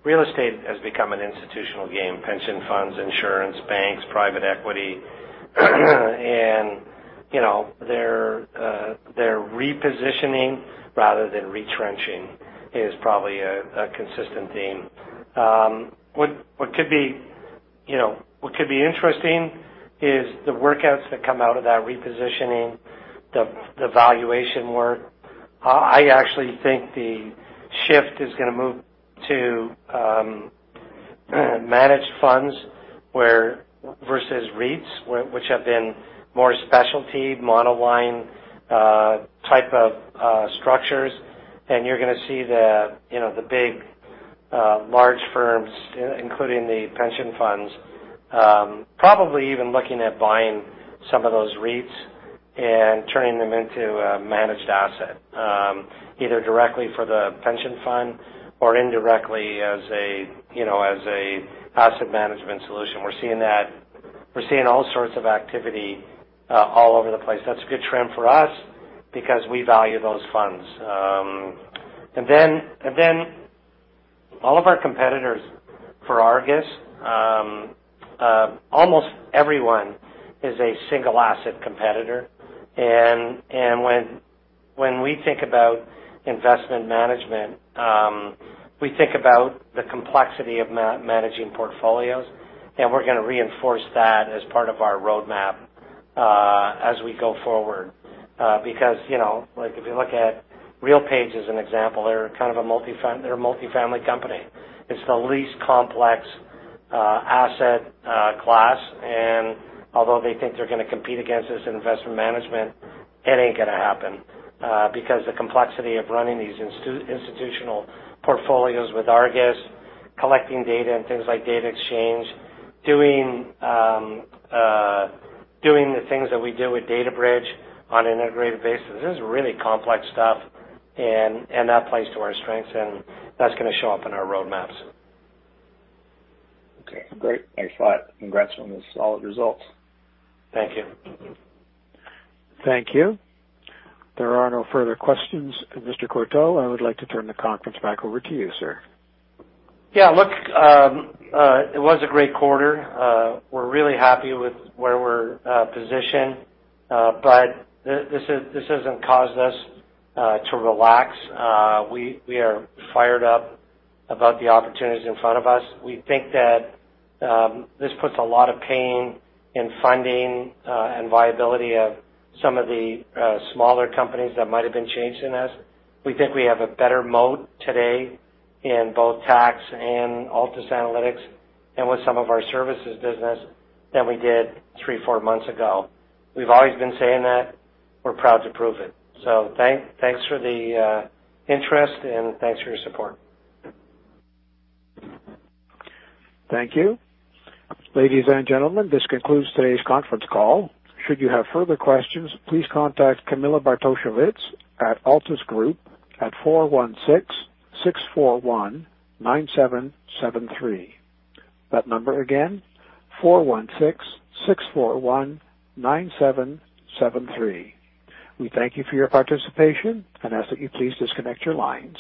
real estate has become an institutional game, pension funds, insurance, banks, private equity. They're repositioning rather than retrenching is probably a consistent theme. What could be interesting is the workouts that come out of that repositioning, the valuation work. I actually think the shift is going to move to managed funds versus REITs, which have been more specialty, monoline type of structures. You're going to see the big large firms, including the pension funds, probably even looking at buying some of those REITs and turning them into a managed asset, either directly for the pension fund or indirectly as a asset management solution. We're seeing all sorts of activity all over the place. That's a good trend for us because we value those funds. All of our competitors for ARGUS, almost everyone is a single-asset competitor. When we think about investment management, we think about the complexity of managing portfolios, and we're going to reinforce that as part of our roadmap as we go forward. If you look at RealPage as an example, they're a multifamily company. It's the least complex asset class, and although they think they're going to compete against us in investment management, it ain't going to happen. The complexity of running these institutional portfolios with ARGUS, collecting data and things like data exchange, doing the things that we do with DataBridge on an integrated basis, this is really complex stuff, and that plays to our strengths, and that's going to show up in our roadmaps. Okay, great. Thanks a lot. Congrats on the solid results. Thank you. Thank you. There are no further questions. Mr. Courteau, I would like to turn the conference back over to you, sir. Yeah, look, it was a great quarter. We're really happy with where we're positioned. This hasn't caused us to relax. We are fired up about the opportunities in front of us. We think that this puts a lot of pain in funding and viability of some of the smaller companies that might've been chasing us. We think we have a better moat today in both Property Tax and Altus Analytics and with some of our services business than we did three, four months ago. We've always been saying that. We're proud to prove it. Thanks for the interest, and thanks for your support. Thank you. Ladies and gentlemen, this concludes today's conference call. Should you have further questions, please contact Camilla Bartosiewicz at Altus Group at 416-641-9773. That number again, 416-641-9773. We thank you for your participation and ask that you please disconnect your lines.